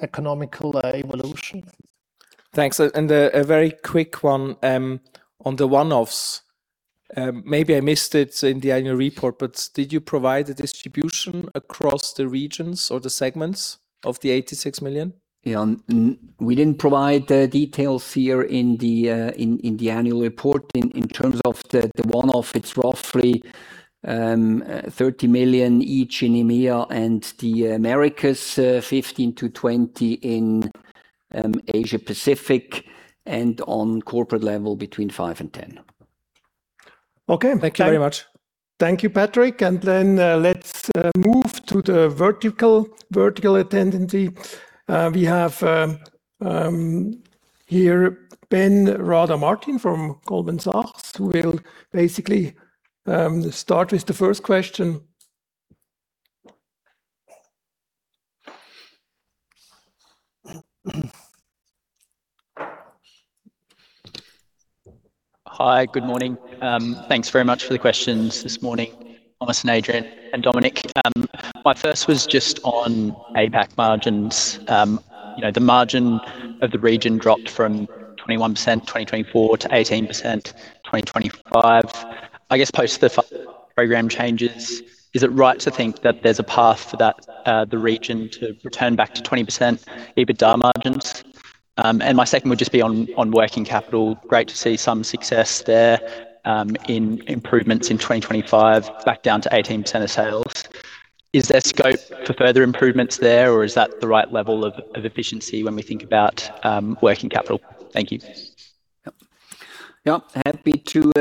economic evolution. Thanks. A very quick one, on the one-offs. Maybe I missed it in the annual report, but did you provide the distribution across the regions or the segments of the 86 million? Yeah. We didn't provide the details here in the annual report. In terms of the one-off, it's roughly 30 million each in EMEA and the Americas, 15 million-20 million in Asia Pacific, and on corporate level, between 5 million and 10 million. Okay. Thank you very much. Thank you, Patrick. Then, let's move to the virtual attendance. We have here Ben Rada Martin from Goldman Sachs, who will basically start with the first question. Hi, good morning. Thanks very much for the questions this morning, Thomas and Adrian and Dominik. My first was just on APAC margins. You know, the margin of the region dropped from 21% in 2024 to 18% in 2025. I guess post the program changes, is it right to think that there's a path for that, the region to return back to 20% EBITDA margins? And my second would just be on, on working capital. Great to see some success there, in improvements in 2025, back down to 18% of sales. Is there scope for further improvements there, or is that the right level of, of efficiency when we think about, working capital? Thank you. Yep. Yep, happy to,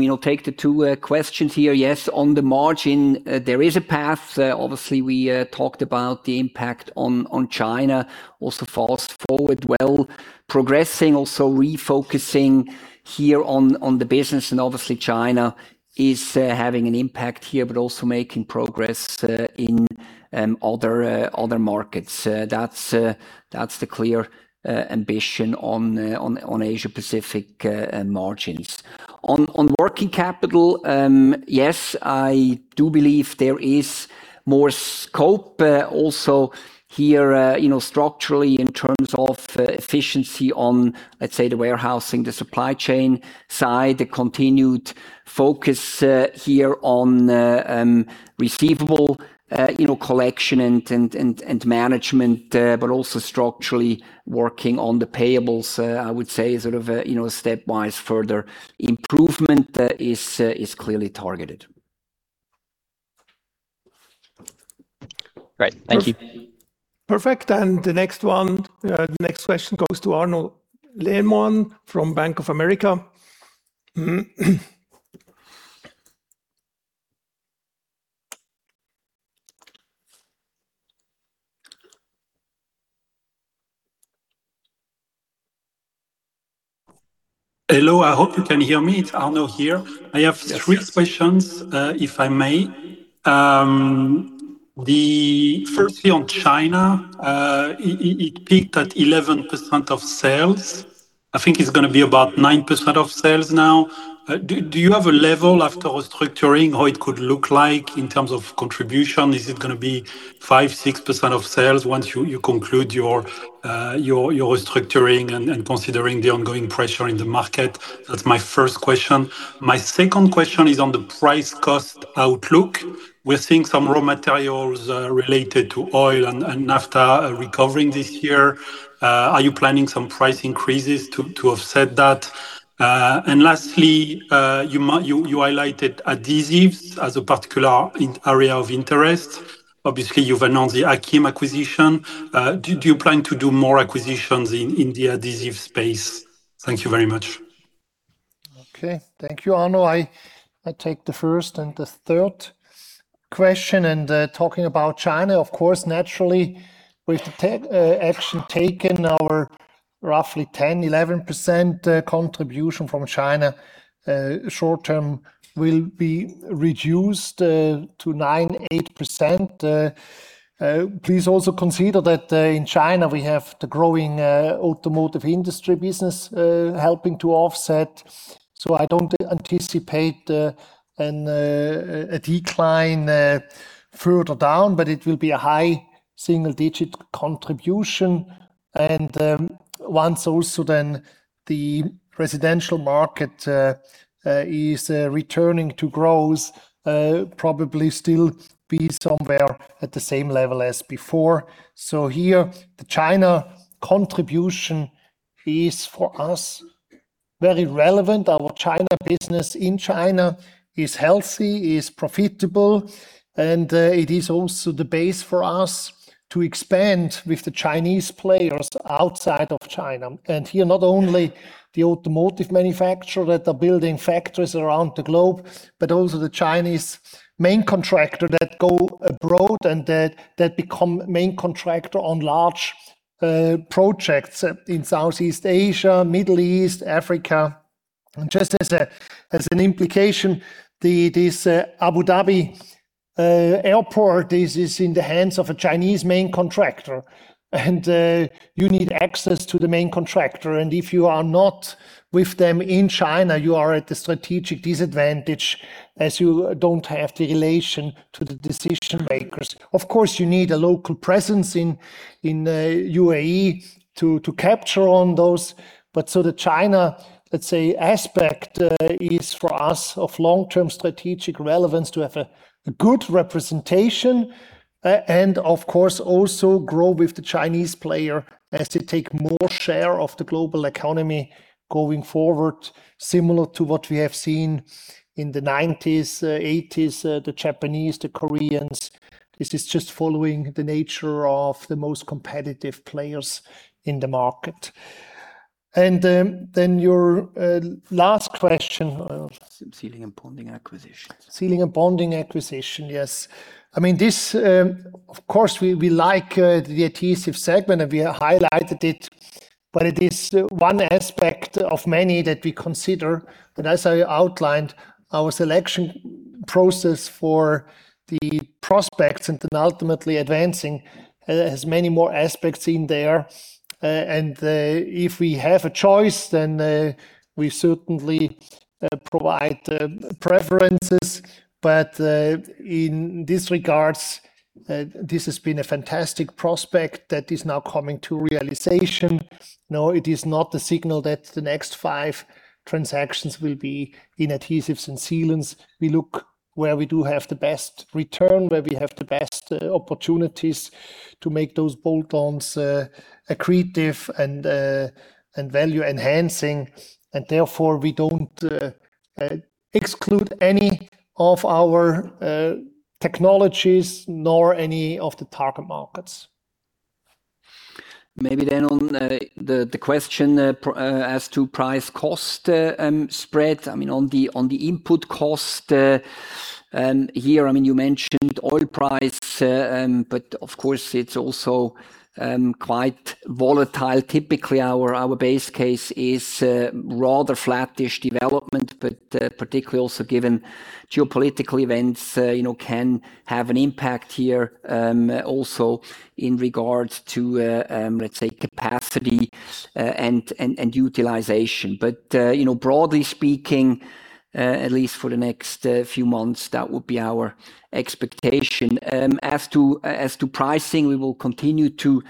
you know, take the two questions here. Yes, on the margin, there is a path. Obviously, we talked about the impact on China. Also Fast Forward, well, progressing, also refocusing here on the business, and obviously China is having an impact here, but also making progress in other markets. That's the clear ambition on Asia Pacific margins. On working capital, yes, I do believe there is more scope, also here, you know, structurally in terms of efficiency on, let's say, the warehousing, the supply chain side, the continued focus here on receivable, you know, collection and management, but also structurally working on the payables, I would say is sort of a, you know, stepwise further improvement is clearly targeted. Great. Thank you. Perfect. And the next one, the next question goes to Arnaud Lehmann from Bank of America. Hello, I hope you can hear me. It's Arnaud here. Yes. I have three questions, if I may. Firstly on China, it peaked at 11% of sales. I think it's gonna be about 9% of sales now. Do you have a level after restructuring, how it could look like in terms of contribution? Is it gonna be 5-6% of sales once you conclude your restructuring and considering the ongoing pressure in the market? That's my first question. My second question is on the price-cost outlook. We're seeing some raw materials related to oil and after recovering this year. Are you planning some price increases to offset that? And lastly, you highlighted adhesives as a particular area of interest. Obviously, you've announced the Akkim acquisition. Do you plan to do more acquisitions in the adhesive space? Thank you very much. Okay. Thank you, Arnaud. I take the first and the third question, and talking about China, of course, naturally, we've actually taken our roughly 10%, 11% contribution from China. Short term will be reduced to 9%, 8%. Please also consider that in China, we have the growing automotive industry business helping to offset. So I don't anticipate a decline further down, but it will be a high single-digit contribution, and once also then the residential market is returning to growth, probably still be somewhere at the same level as before. So here, the China contribution is, for us, very relevant. Our China business in China is healthy, is profitable, and it is also the base for us to expand with the Chinese players outside of China. Here, not only the automotive manufacturer that are building factories around the globe, but also the Chinese main contractor that go abroad and that become main contractor on large projects in Southeast Asia, Middle East, Africa. Just as an implication, this Abu Dhabi airport is in the hands of a Chinese main contractor, and you need access to the main contractor, and if you are not with them in China, you are at a strategic disadvantage, as you don't have the relation to the decision makers. Of course, you need a local presence in UAE to capture on those. But so the China, let's say, aspect is for us of long-term strategic relevance to have a, a good representation and of course also grow with the Chinese player as they take more share of the global economy going forward. Similar to what we have seen in the 1990s, 1980s, the Japanese, the Koreans. This is just following the nature of the most competitive players in the market. And then your last question, Sealing and bonding acquisitions. Sealing and bonding acquisition, yes. I mean, this, of course, we like the adhesive segment, and we highlighted it, but it is one aspect of many that we consider. And as I outlined, our selection process for the prospects and then ultimately advancing has many more aspects in there. And if we have a choice, then we certainly provide preferences. But in these regards, this has been a fantastic prospect that is now coming to realization. No, it is not the signal that the next five transactions will be in adhesives and sealants. We look where we do have the best return, where we have the best opportunities to make those bolt-ons accretive and value-enhancing, and therefore, we don't exclude any of our technologies nor any of the target markets. Maybe then on the question as to price cost spread. I mean, on the input cost here, I mean, you mentioned oil price, but of course, it's also quite volatile. Typically, our base case is rather flat-ish development, but particularly also given geopolitical events, you know, can have an impact here, also in regards to let's say, capacity and utilization. But you know, broadly speaking, at least for the next few months, that would be our expectation. As to pricing, we will continue to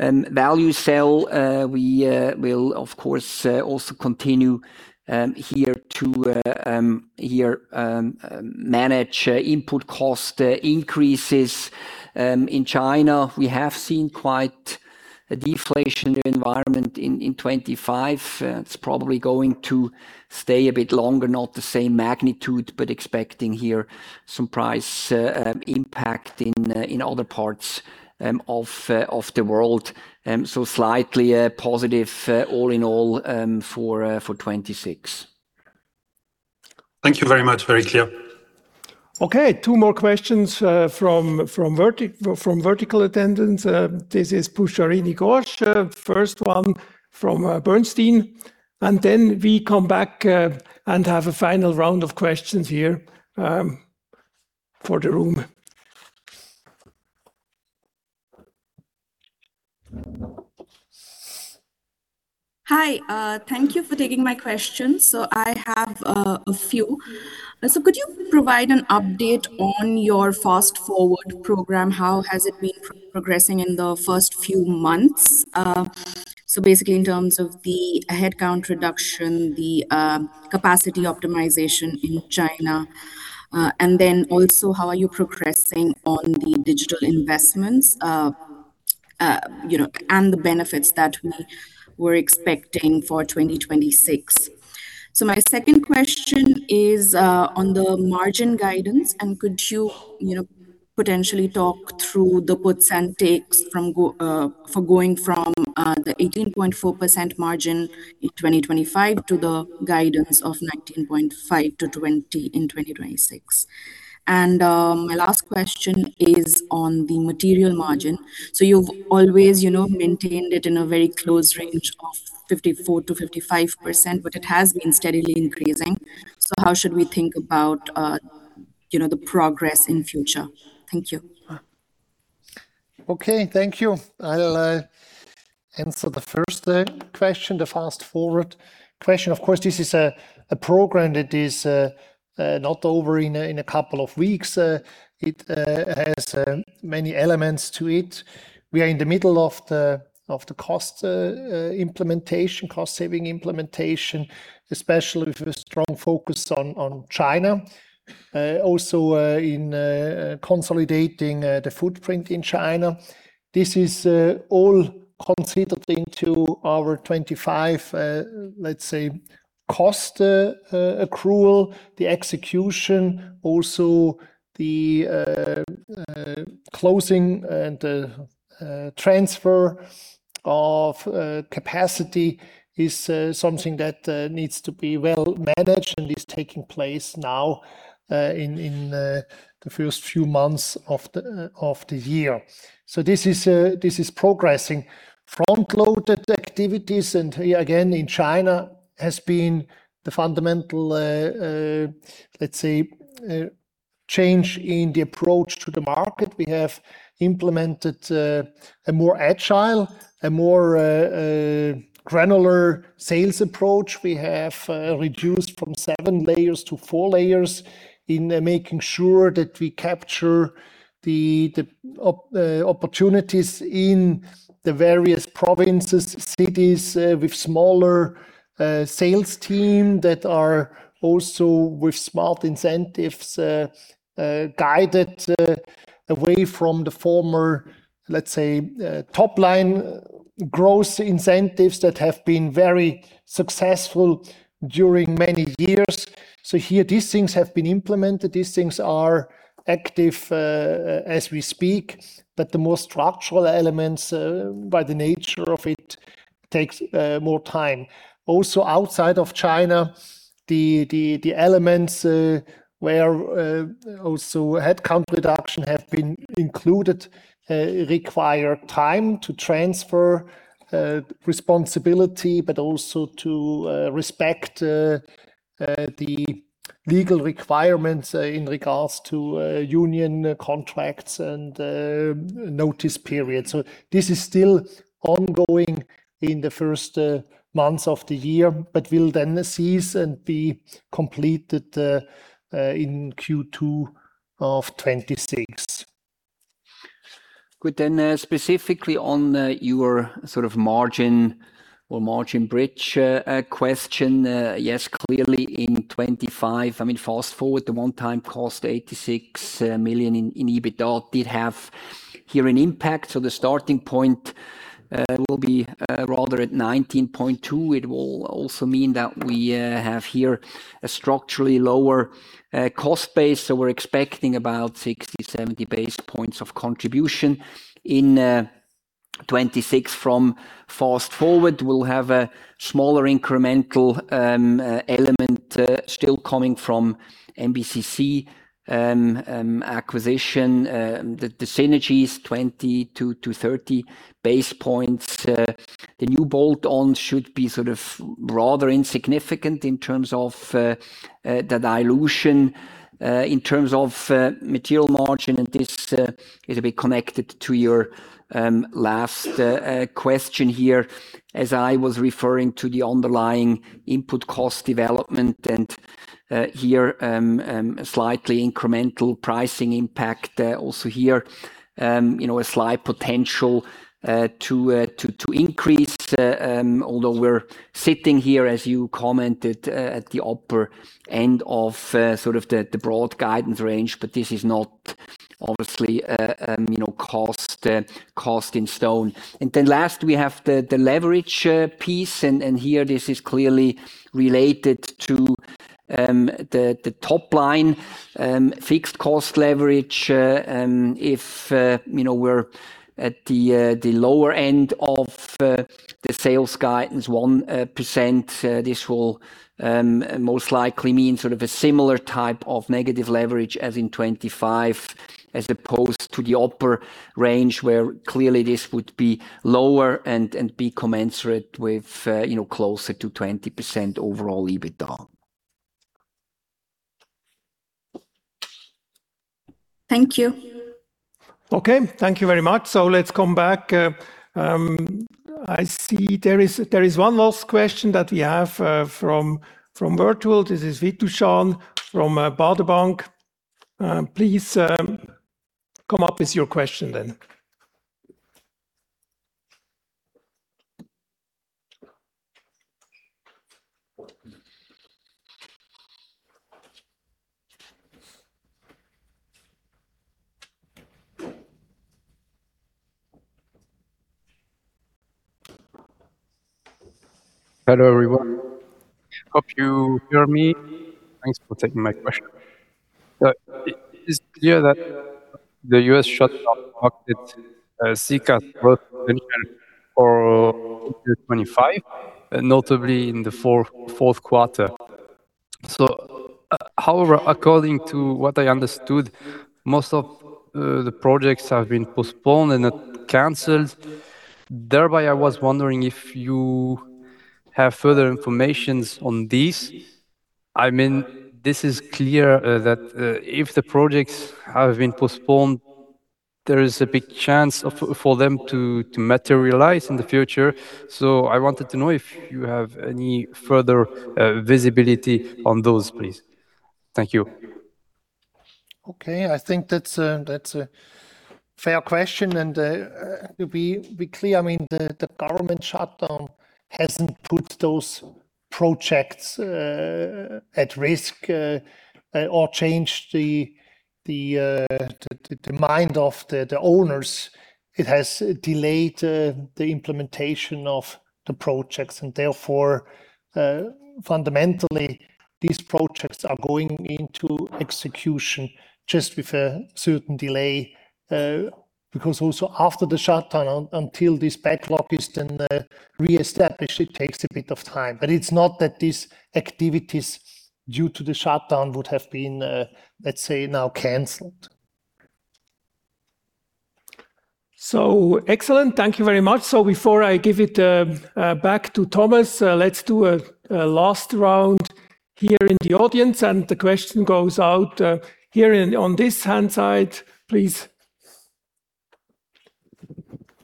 value sell. We will of course also continue here to manage input cost increases. In China, we have seen quite a deflationary environment in 2025. It's probably going to stay a bit longer, not the same magnitude, but expecting here some price impact in other parts of the world. So slightly positive, all in all, for 2026. Thank you very much. Very clear. Okay, two more questions from virtual attendance. This is Pujarini Ghosh. First one from Bernstein, and then we come back and have a final round of questions here for the room. Hi, thank you for taking my question. So I have a few. So could you provide an update on your Fast Forward program? How has it been progressing in the first few months? So basically in terms of the headcount reduction, the capacity optimization in China, and then also, how are you progressing on the digital investments, you know, and the benefits that we were expecting for 2026? So my second question is on the margin guidance, and could you, you know, potentially talk through the puts and takes from go, for going from the 18.4% margin in 2025 to the guidance of 19.5%-20% in 2026? And my last question is on the material margin. So you've always, you know, maintained it in a very close range of 54%-55%, but it has been steadily increasing. So how should we think about, you know, the progress in future? Thank you. Okay. Thank you. The first question, the Fast Forward question, of course, this is a program that is not over in a couple of weeks. It has many elements to it. We are in the middle of the cost implementation, cost-saving implementation, especially with a strong focus on China, also in consolidating the footprint in China. This is all considered into our 25, let's say, cost accrual, the execution, also the closing and transfer of capacity is something that needs to be well managed and is taking place now in the first few months of the year. So this is progressing. Front-loaded activities, and here again, in China, has been the fundamental, let's say, change in the approach to the market. We have implemented, a more agile, a more, granular sales approach. We have, reduced from seven layers to four layers in making sure that we capture the, the opportunities in the various provinces, cities, with smaller, sales team that are also with smart incentives, guided, away from the former, let's say, top line growth incentives that have been very successful during many years. So here, these things have been implemented. These things are active, as we speak, but the more structural elements, by the nature of it, takes, more time. Also, outside of China, the elements where also headcount reduction have been included require time to transfer responsibility, but also to respect the legal requirements in regards to union contracts and notice period. So this is still ongoing in the first months of the year, but will then cease and be completed in Q2 of 2026. Good. Then, specifically on your sort of margin or margin bridge question, yes, clearly in 2025, I mean, Fast Forward, the one-time cost, 86 million in EBITDA did have here an impact, so the starting point will be rather at 19.2. It will also mean that we have here a structurally lower cost base, so we're expecting about 60-70 basis points of contribution. In 2026 from Fast Forward, we'll have a smaller incremental element still coming from MBCC acquisition. The synergies, 20-30 basis points. The new bolt-ons should be sort of rather insignificant in terms of the dilution in terms of material margin, and this is a bit connected to your last question here, as I was referring to the underlying input cost development and here a slightly incremental pricing impact also here. You know, a slight potential to increase although we're sitting here, as you commented, at the upper end of sort of the broad guidance range, but this is not obviously, you know, carved in stone. And then last, we have the leverage piece, and here, this is clearly related to the top line fixed cost leverage. If you know, we're at the lower end of the sales guidance, 1%, this will most likely mean sort of a similar type of negative leverage as in 2025, as opposed to the upper range, where clearly this would be lower and be commensurate with, you know, closer to 20% overall EBITDA. Thank you. Okay. Thank you very much. Let's come back. I see there is one last question that we have from virtual. This is Vitushan from Baader bank. Please come up with your question then. Hello, everyone. Hope you hear me. Thanks for taking my question. It's clear that the U.S. market, CAGR for 25, notably in the fourth quarter. However, according to what I understood, most of the projects have been postponed and not canceled. Thereby, I was wondering if you have further informations on this? I mean, this is clear, that, if the projects have been postponed, there is a big chance of, for them to, to materialize in the future. I wanted to know if you have any further, visibility on those, please. Thank you. Okay, I think that's a fair question, and to be clear, I mean, the government shutdown hasn't put those projects at risk or changed the mind of the owners. It has delayed the implementation of the projects, and therefore, fundamentally, these projects are going into execution just with a certain delay. Because also after the shutdown, until this backlog is then reestablished, it takes a bit of time. But it's not that these activities, due to the shutdown, would have been, let's say, now canceled. So excellent. Thank you very much. So before I give it back to Thomas, let's do a last round here in the audience, and the question goes out here, on this hand side, please.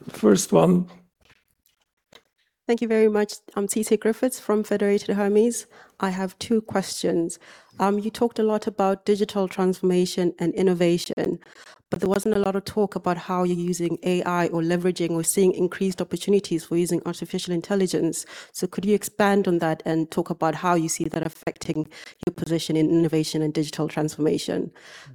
First one. Thank you very much. I'm Tise Griffiths from Federated Hermes. I have two questions. You talked a lot about digital transformation and innovation, but there wasn't a lot of talk about how you're using AI or leveraging or seeing increased opportunities for using artificial intelligence. So could you expand on that and talk about how you see that affecting your position in innovation and digital transformation?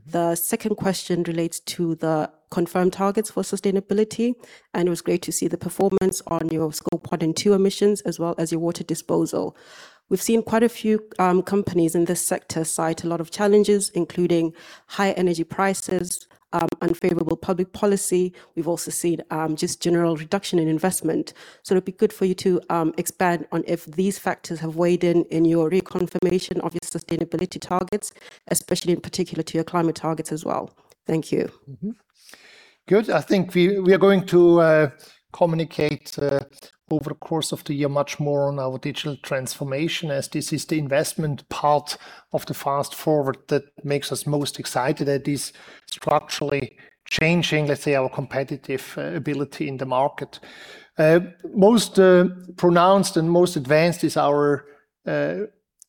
The second question relates to the confirmed targets for sustainability, and it was great to see the performance on your Scope 1 and 2 emissions, as well as your water disposal. We've seen quite a few companies in this sector cite a lot of challenges, including high energy prices, unfavorable public policy. We've also seen just general reduction in investment. It'd be good for you to expand on if these factors have weighed in on your reconfirmation of your sustainability targets, especially in particular to your climate targets as well. Thank you. Mm-hmm. Good. I think we, we are going to, communicate, over the course of the year, much more on our digital transformation, as this is the investment part of the Fast Forward that makes us most excited, that is structurally changing, let's say, our competitive, ability in the market. Most, pronounced and most advanced is our,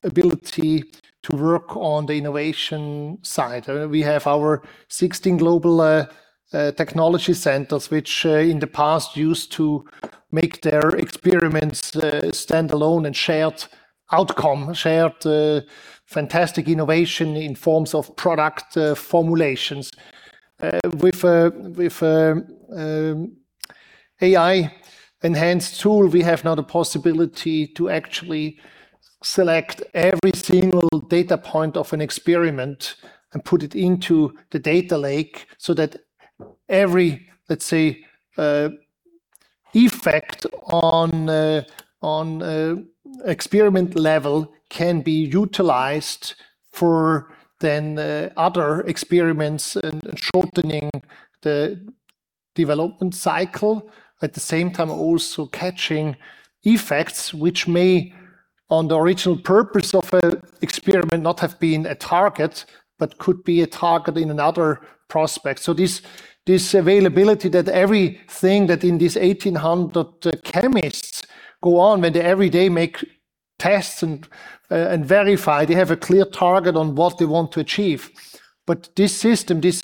ability to work on the innovation side. We have our 16 global, technology centers, which, in the past used to make their experiments, stand alone and shared outcome, shared, fantastic innovation in forms of product, formulations. With AI-enhanced tool, we have now the possibility to actually select every single data point of an experiment and put it into the data lake so that every, let's say, effect on experiment level can be utilized for then other experiments and shortening the development cycle. At the same time, also catching effects, which may, on the original purpose of an experiment, not have been a target, but could be a target in another prospect. So this availability that everything that in these 1,800 chemists go on when they every day make tests and verify, they have a clear target on what they want to achieve. But this system, this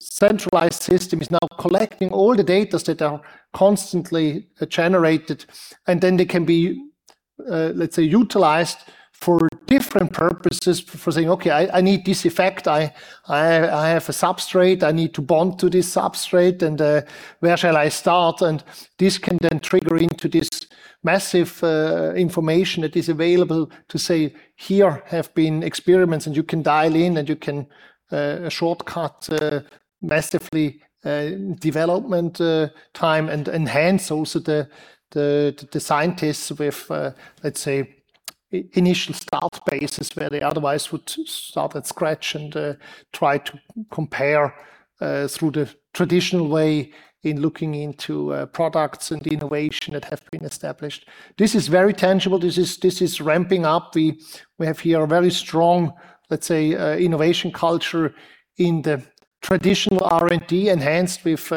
centralized system, is now collecting all the data that are constantly generated, and then they can be, let's say, utilized for different purposes. For saying, "Okay, I, I need this effect. I, I, I have a substrate. I need to bond to this substrate, and where shall I start?" And this can then trigger into this massive information that is available to say, "Here have been experiments," and you can dial in, and you can shortcut massively development time and enhance also the scientists with, let's say, initial start bases, where they otherwise would start at scratch and try to compare through the traditional way in looking into products and innovation that have been established. This is very tangible. This is ramping up. We have here a very strong, let's say, innovation culture in the traditional R&D, enhanced with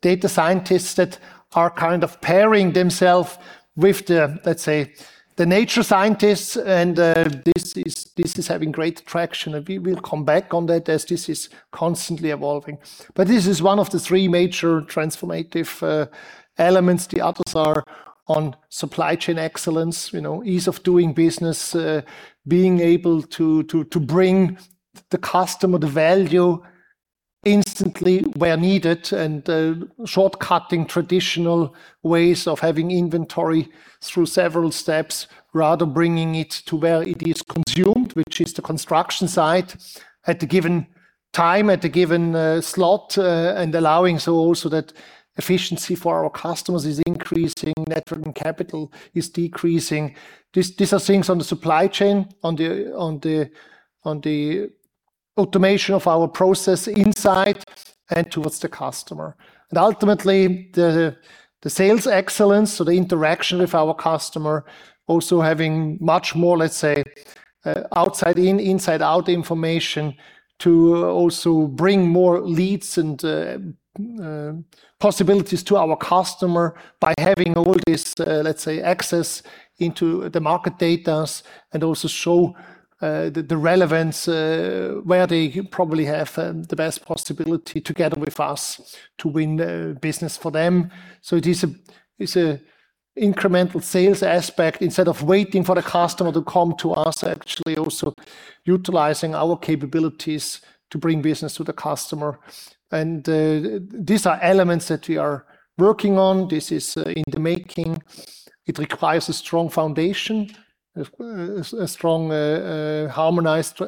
data scientists that are kind of pairing themselves with the, let's say, the nature scientists. This is having great traction, and we will come back on that as this is constantly evolving. But this is one of the three major transformative elements. The others are on supply chain excellence, you know, ease of doing business, being able to bring the customer the value instantly where needed, and shortcutting traditional ways of having inventory through several steps, rather bringing it to where it is consumed, which is the construction site, at the given time, at the given slot, and allowing so also that efficiency for our customers is increasing, net working capital is decreasing. These are things on the supply chain, on the automation of our process inside and towards the customer. And ultimately, the sales excellence, so the interaction with our customer, also having much more, let's say, outside in, inside out information to also bring more leads and, possibilities to our customer by having all this, let's say, access into the market data, and also show, the relevance, where they probably have, the best possibility together with us to win, business for them. So it is a, it's a incremental sales aspect. Instead of waiting for the customer to come to us, actually also utilizing our capabilities to bring business to the customer. And, these are elements that we are working on. This is, in the making. It requires a strong foundation, a strong, harmonized,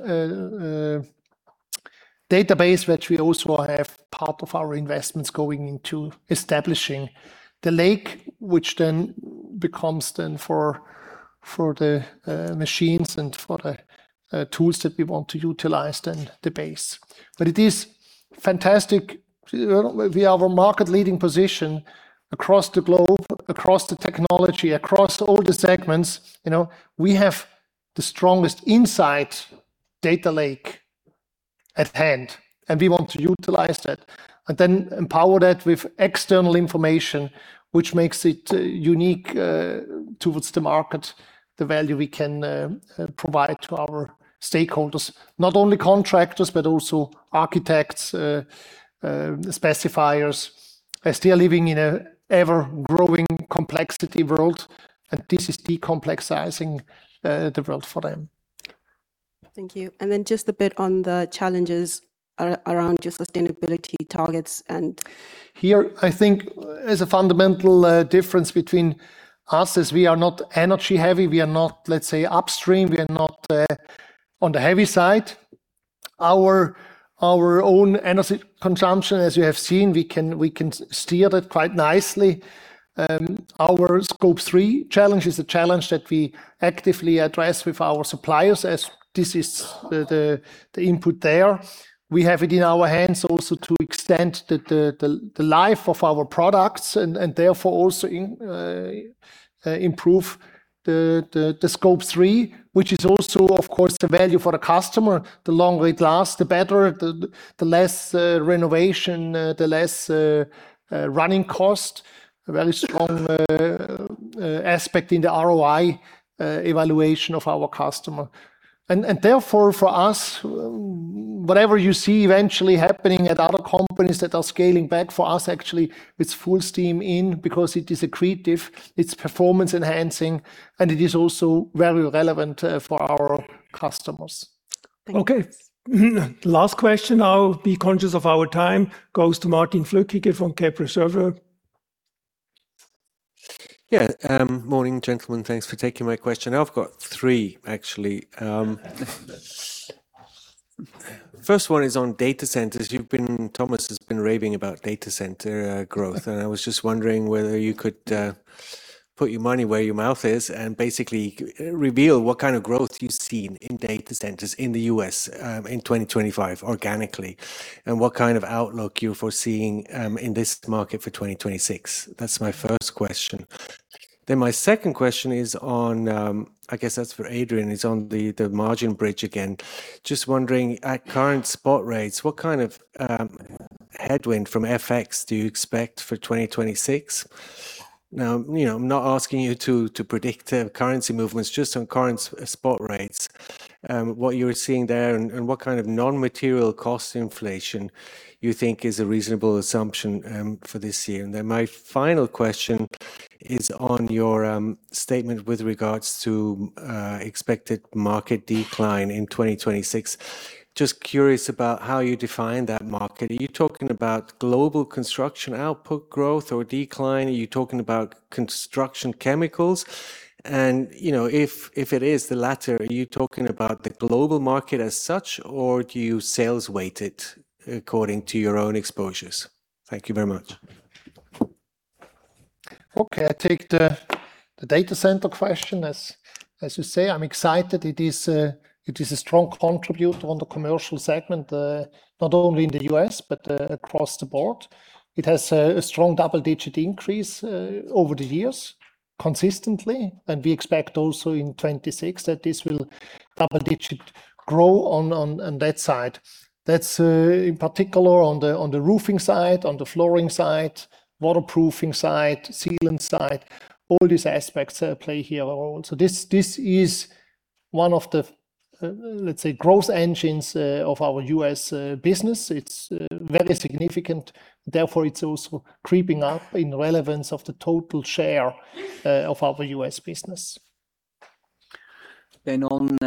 database, which we also have part of our investments going into establishing the lake, which then becomes for the machines and for the tools that we want to utilize, then the base. But it is fantastic. We have a market-leading position across the globe, across the technology, across all the segments. You know, we have the strongest insight data lake at hand, and we want to utilize that, and then empower that with external information, which makes it, unique, towards the market, the value we can, provide to our stakeholders. Not only contractors, but also architects, specifiers. They're still living in an ever-growing complexity world, and this is de-complexizing, the world for them. Thank you. Then just a bit on the challenges around your sustainability targets and- Here, I think there's a fundamental difference between us, is we are not energy heavy. We are not, let's say, upstream. We are not on the heavy side. Our own energy consumption, as you have seen, we can steer that quite nicely. Our Scope 3 challenge is a challenge that we actively address with our suppliers, as this is the input there. We have it in our hands also to extend the life of our products and therefore also improve the Scope 3, which is also, of course, the value for the customer. The longer it lasts, the better, the less renovation, the less running cost. A very strong aspect in the ROI evaluation of our customer. And, and therefore, for us, whatever you see eventually happening at other companies that are scaling back, for us, actually, it's full steam in because it is accretive, it's performance enhancing, and it is also very relevant for our customers. Thank you. Okay. Last question, I'll be conscious of our time, goes to Martin Flueckiger from Kepler Cheuvreux. Yeah. Morning, gentlemen. Thanks for taking my question. I've got three, actually. The first one is on data centers. You've been, Thomas has been raving about data center growth. And I was just wondering whether you could put your money where your mouth is and basically reveal what kind of growth you've seen in data centers in the U.S., in 2025, organically, and what kind of outlook you're foreseeing in this market for 2026? That's my first question. Then my second question is on. I guess that's for Adrian, is on the margin bridge again. Just wondering, at current spot rates, what kind of headwind from FX do you expect for 2026? Now, you know, I'm not asking you to predict currency movements, just on current spot rates, what you're seeing there, and what kind of non-material cost inflation you think is a reasonable assumption, for this year. And then my final question is on your statement with regards to expected market decline in 2026. Just curious about how you define that market. Are you talking about global construction output growth or decline? Are you talking about construction chemicals? And, you know, if it is the latter, are you talking about the global market as such, or do you sales weight it according to your own exposures? Thank you very much. Okay, I take the data center question. As you say, I'm excited. It is a strong contributor on the commercial segment, not only in the U.S., but across the board. It has a strong double-digit increase over the years, consistently, and we expect also in 2026 that this will double digit grow on that side. That's in particular on the roofing side, on the flooring side, waterproofing side, sealant side, all these aspects play here also. This is one of the, let's say, growth engines of our U.S. business. It's very significant, therefore, it's also creeping up in relevance of the total share of our U.S. business. On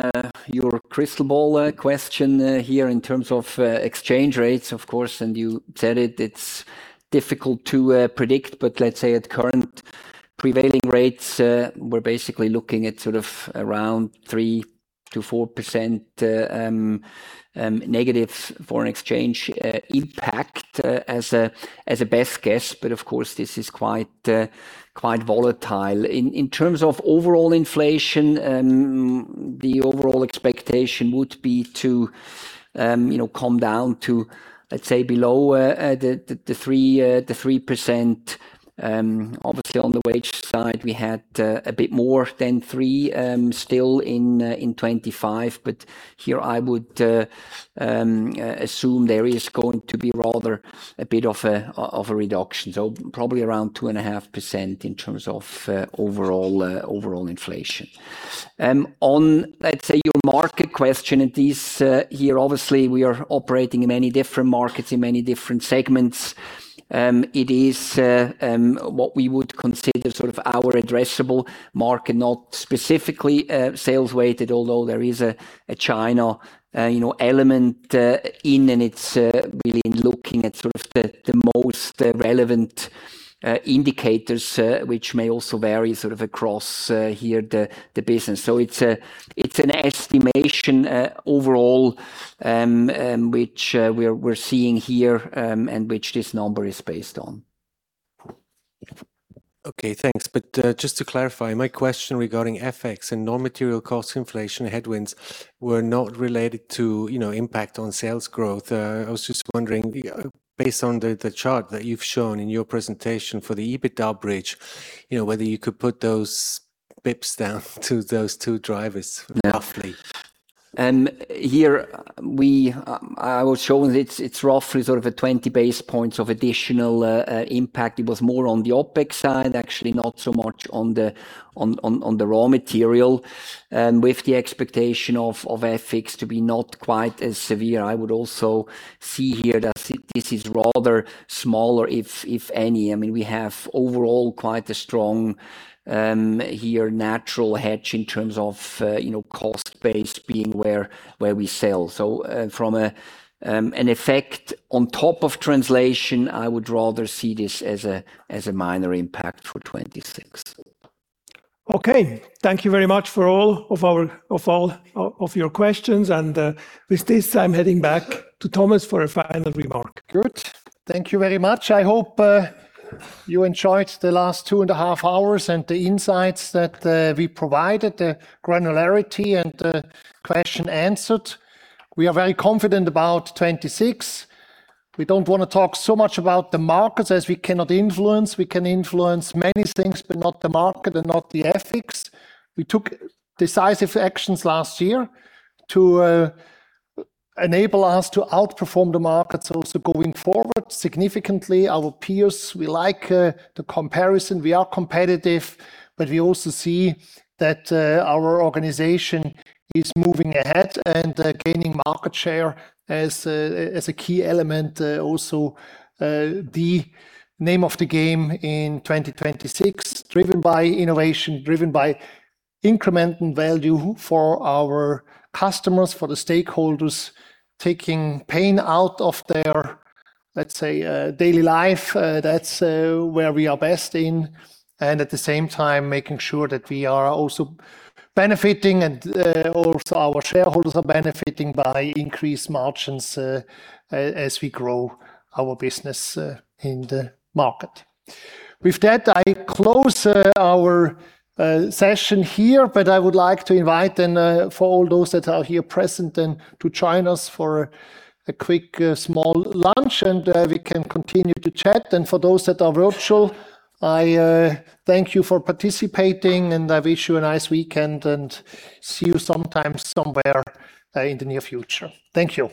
your crystal ball question, here in terms of exchange rates, of course, and you said it, it's difficult to predict, but let's say at current prevailing rates, we're basically looking at sort of around 3%-4% negative foreign exchange impact as a best guess. But of course, this is quite volatile. In terms of overall inflation, the overall expectation would be to, you know, come down to, let's say, below the 3%. Obviously, on the wage side, we had a bit more than three still in 2025, but here I would assume there is going to be rather a bit of a reduction. So probably around 2.5% in terms of, overall, overall inflation. On, let's say, your market question, it is, here, obviously, we are operating in many different markets, in many different segments. It is, what we would consider sort of our addressable market, not specifically, sales weighted, although there is a, a China, you know, element, in, and it's, really looking at sort of the, the most, relevant, indicators, which may also vary sort of across, here, the, the business. So it's a, it's an estimation, overall, which, we're, we're seeing here, and which this number is based on. Okay, thanks. But just to clarify, my question regarding FX and non-material cost inflation headwinds were not related to, you know, impact on sales growth. I was just wondering, based on the chart that you've shown in your presentation for the EBITDA bridge, you know, whether you could put those bps down to those two drivers? Yeah... roughly? Here we, I will show it's, it's roughly sort of a 20 basis points of additional impact. It was more on the OpEx side, actually, not so much on the raw material. With the expectation of FX to be not quite as severe, I would also see here that this is rather smaller, if any. I mean, we have overall quite a strong natural hedge in terms of, you know, cost base being where we sell. So, from an effect on top of translation, I would rather see this as a minor impact for 2026. Okay. Thank you very much for all of your questions, and with this, I'm heading back to Thomas for a final remark. Good. Thank you very much. I hope, you enjoyed the last 2.5 hours, and the insights that, we provided, the granularity and the question answered. We are very confident about 2026. We don't wanna talk so much about the markets as we cannot influence. We can influence many things, but not the market and not the ethics. We took decisive actions last year to, enable us to outperform the markets also going forward. Significantly, our peers, we like, the comparison. We are competitive, but we also see that, our organization is moving ahead and, gaining market share as a, as a key element. Also, the name of the game in 2026, driven by innovation, driven by increment and value for our customers, for the stakeholders, taking pain out of their, let's say, daily life, that's where we are best in, and at the same time making sure that we are also benefiting and also our shareholders are benefiting by increased margins, as we grow our business in the market. With that, I close our session here, but I would like to invite and for all those that are here present and to join us for a quick small lunch, and we can continue to chat. And for those that are virtual, I thank you for participating, and I wish you a nice weekend, and see you sometime, somewhere in the near future. Thank you.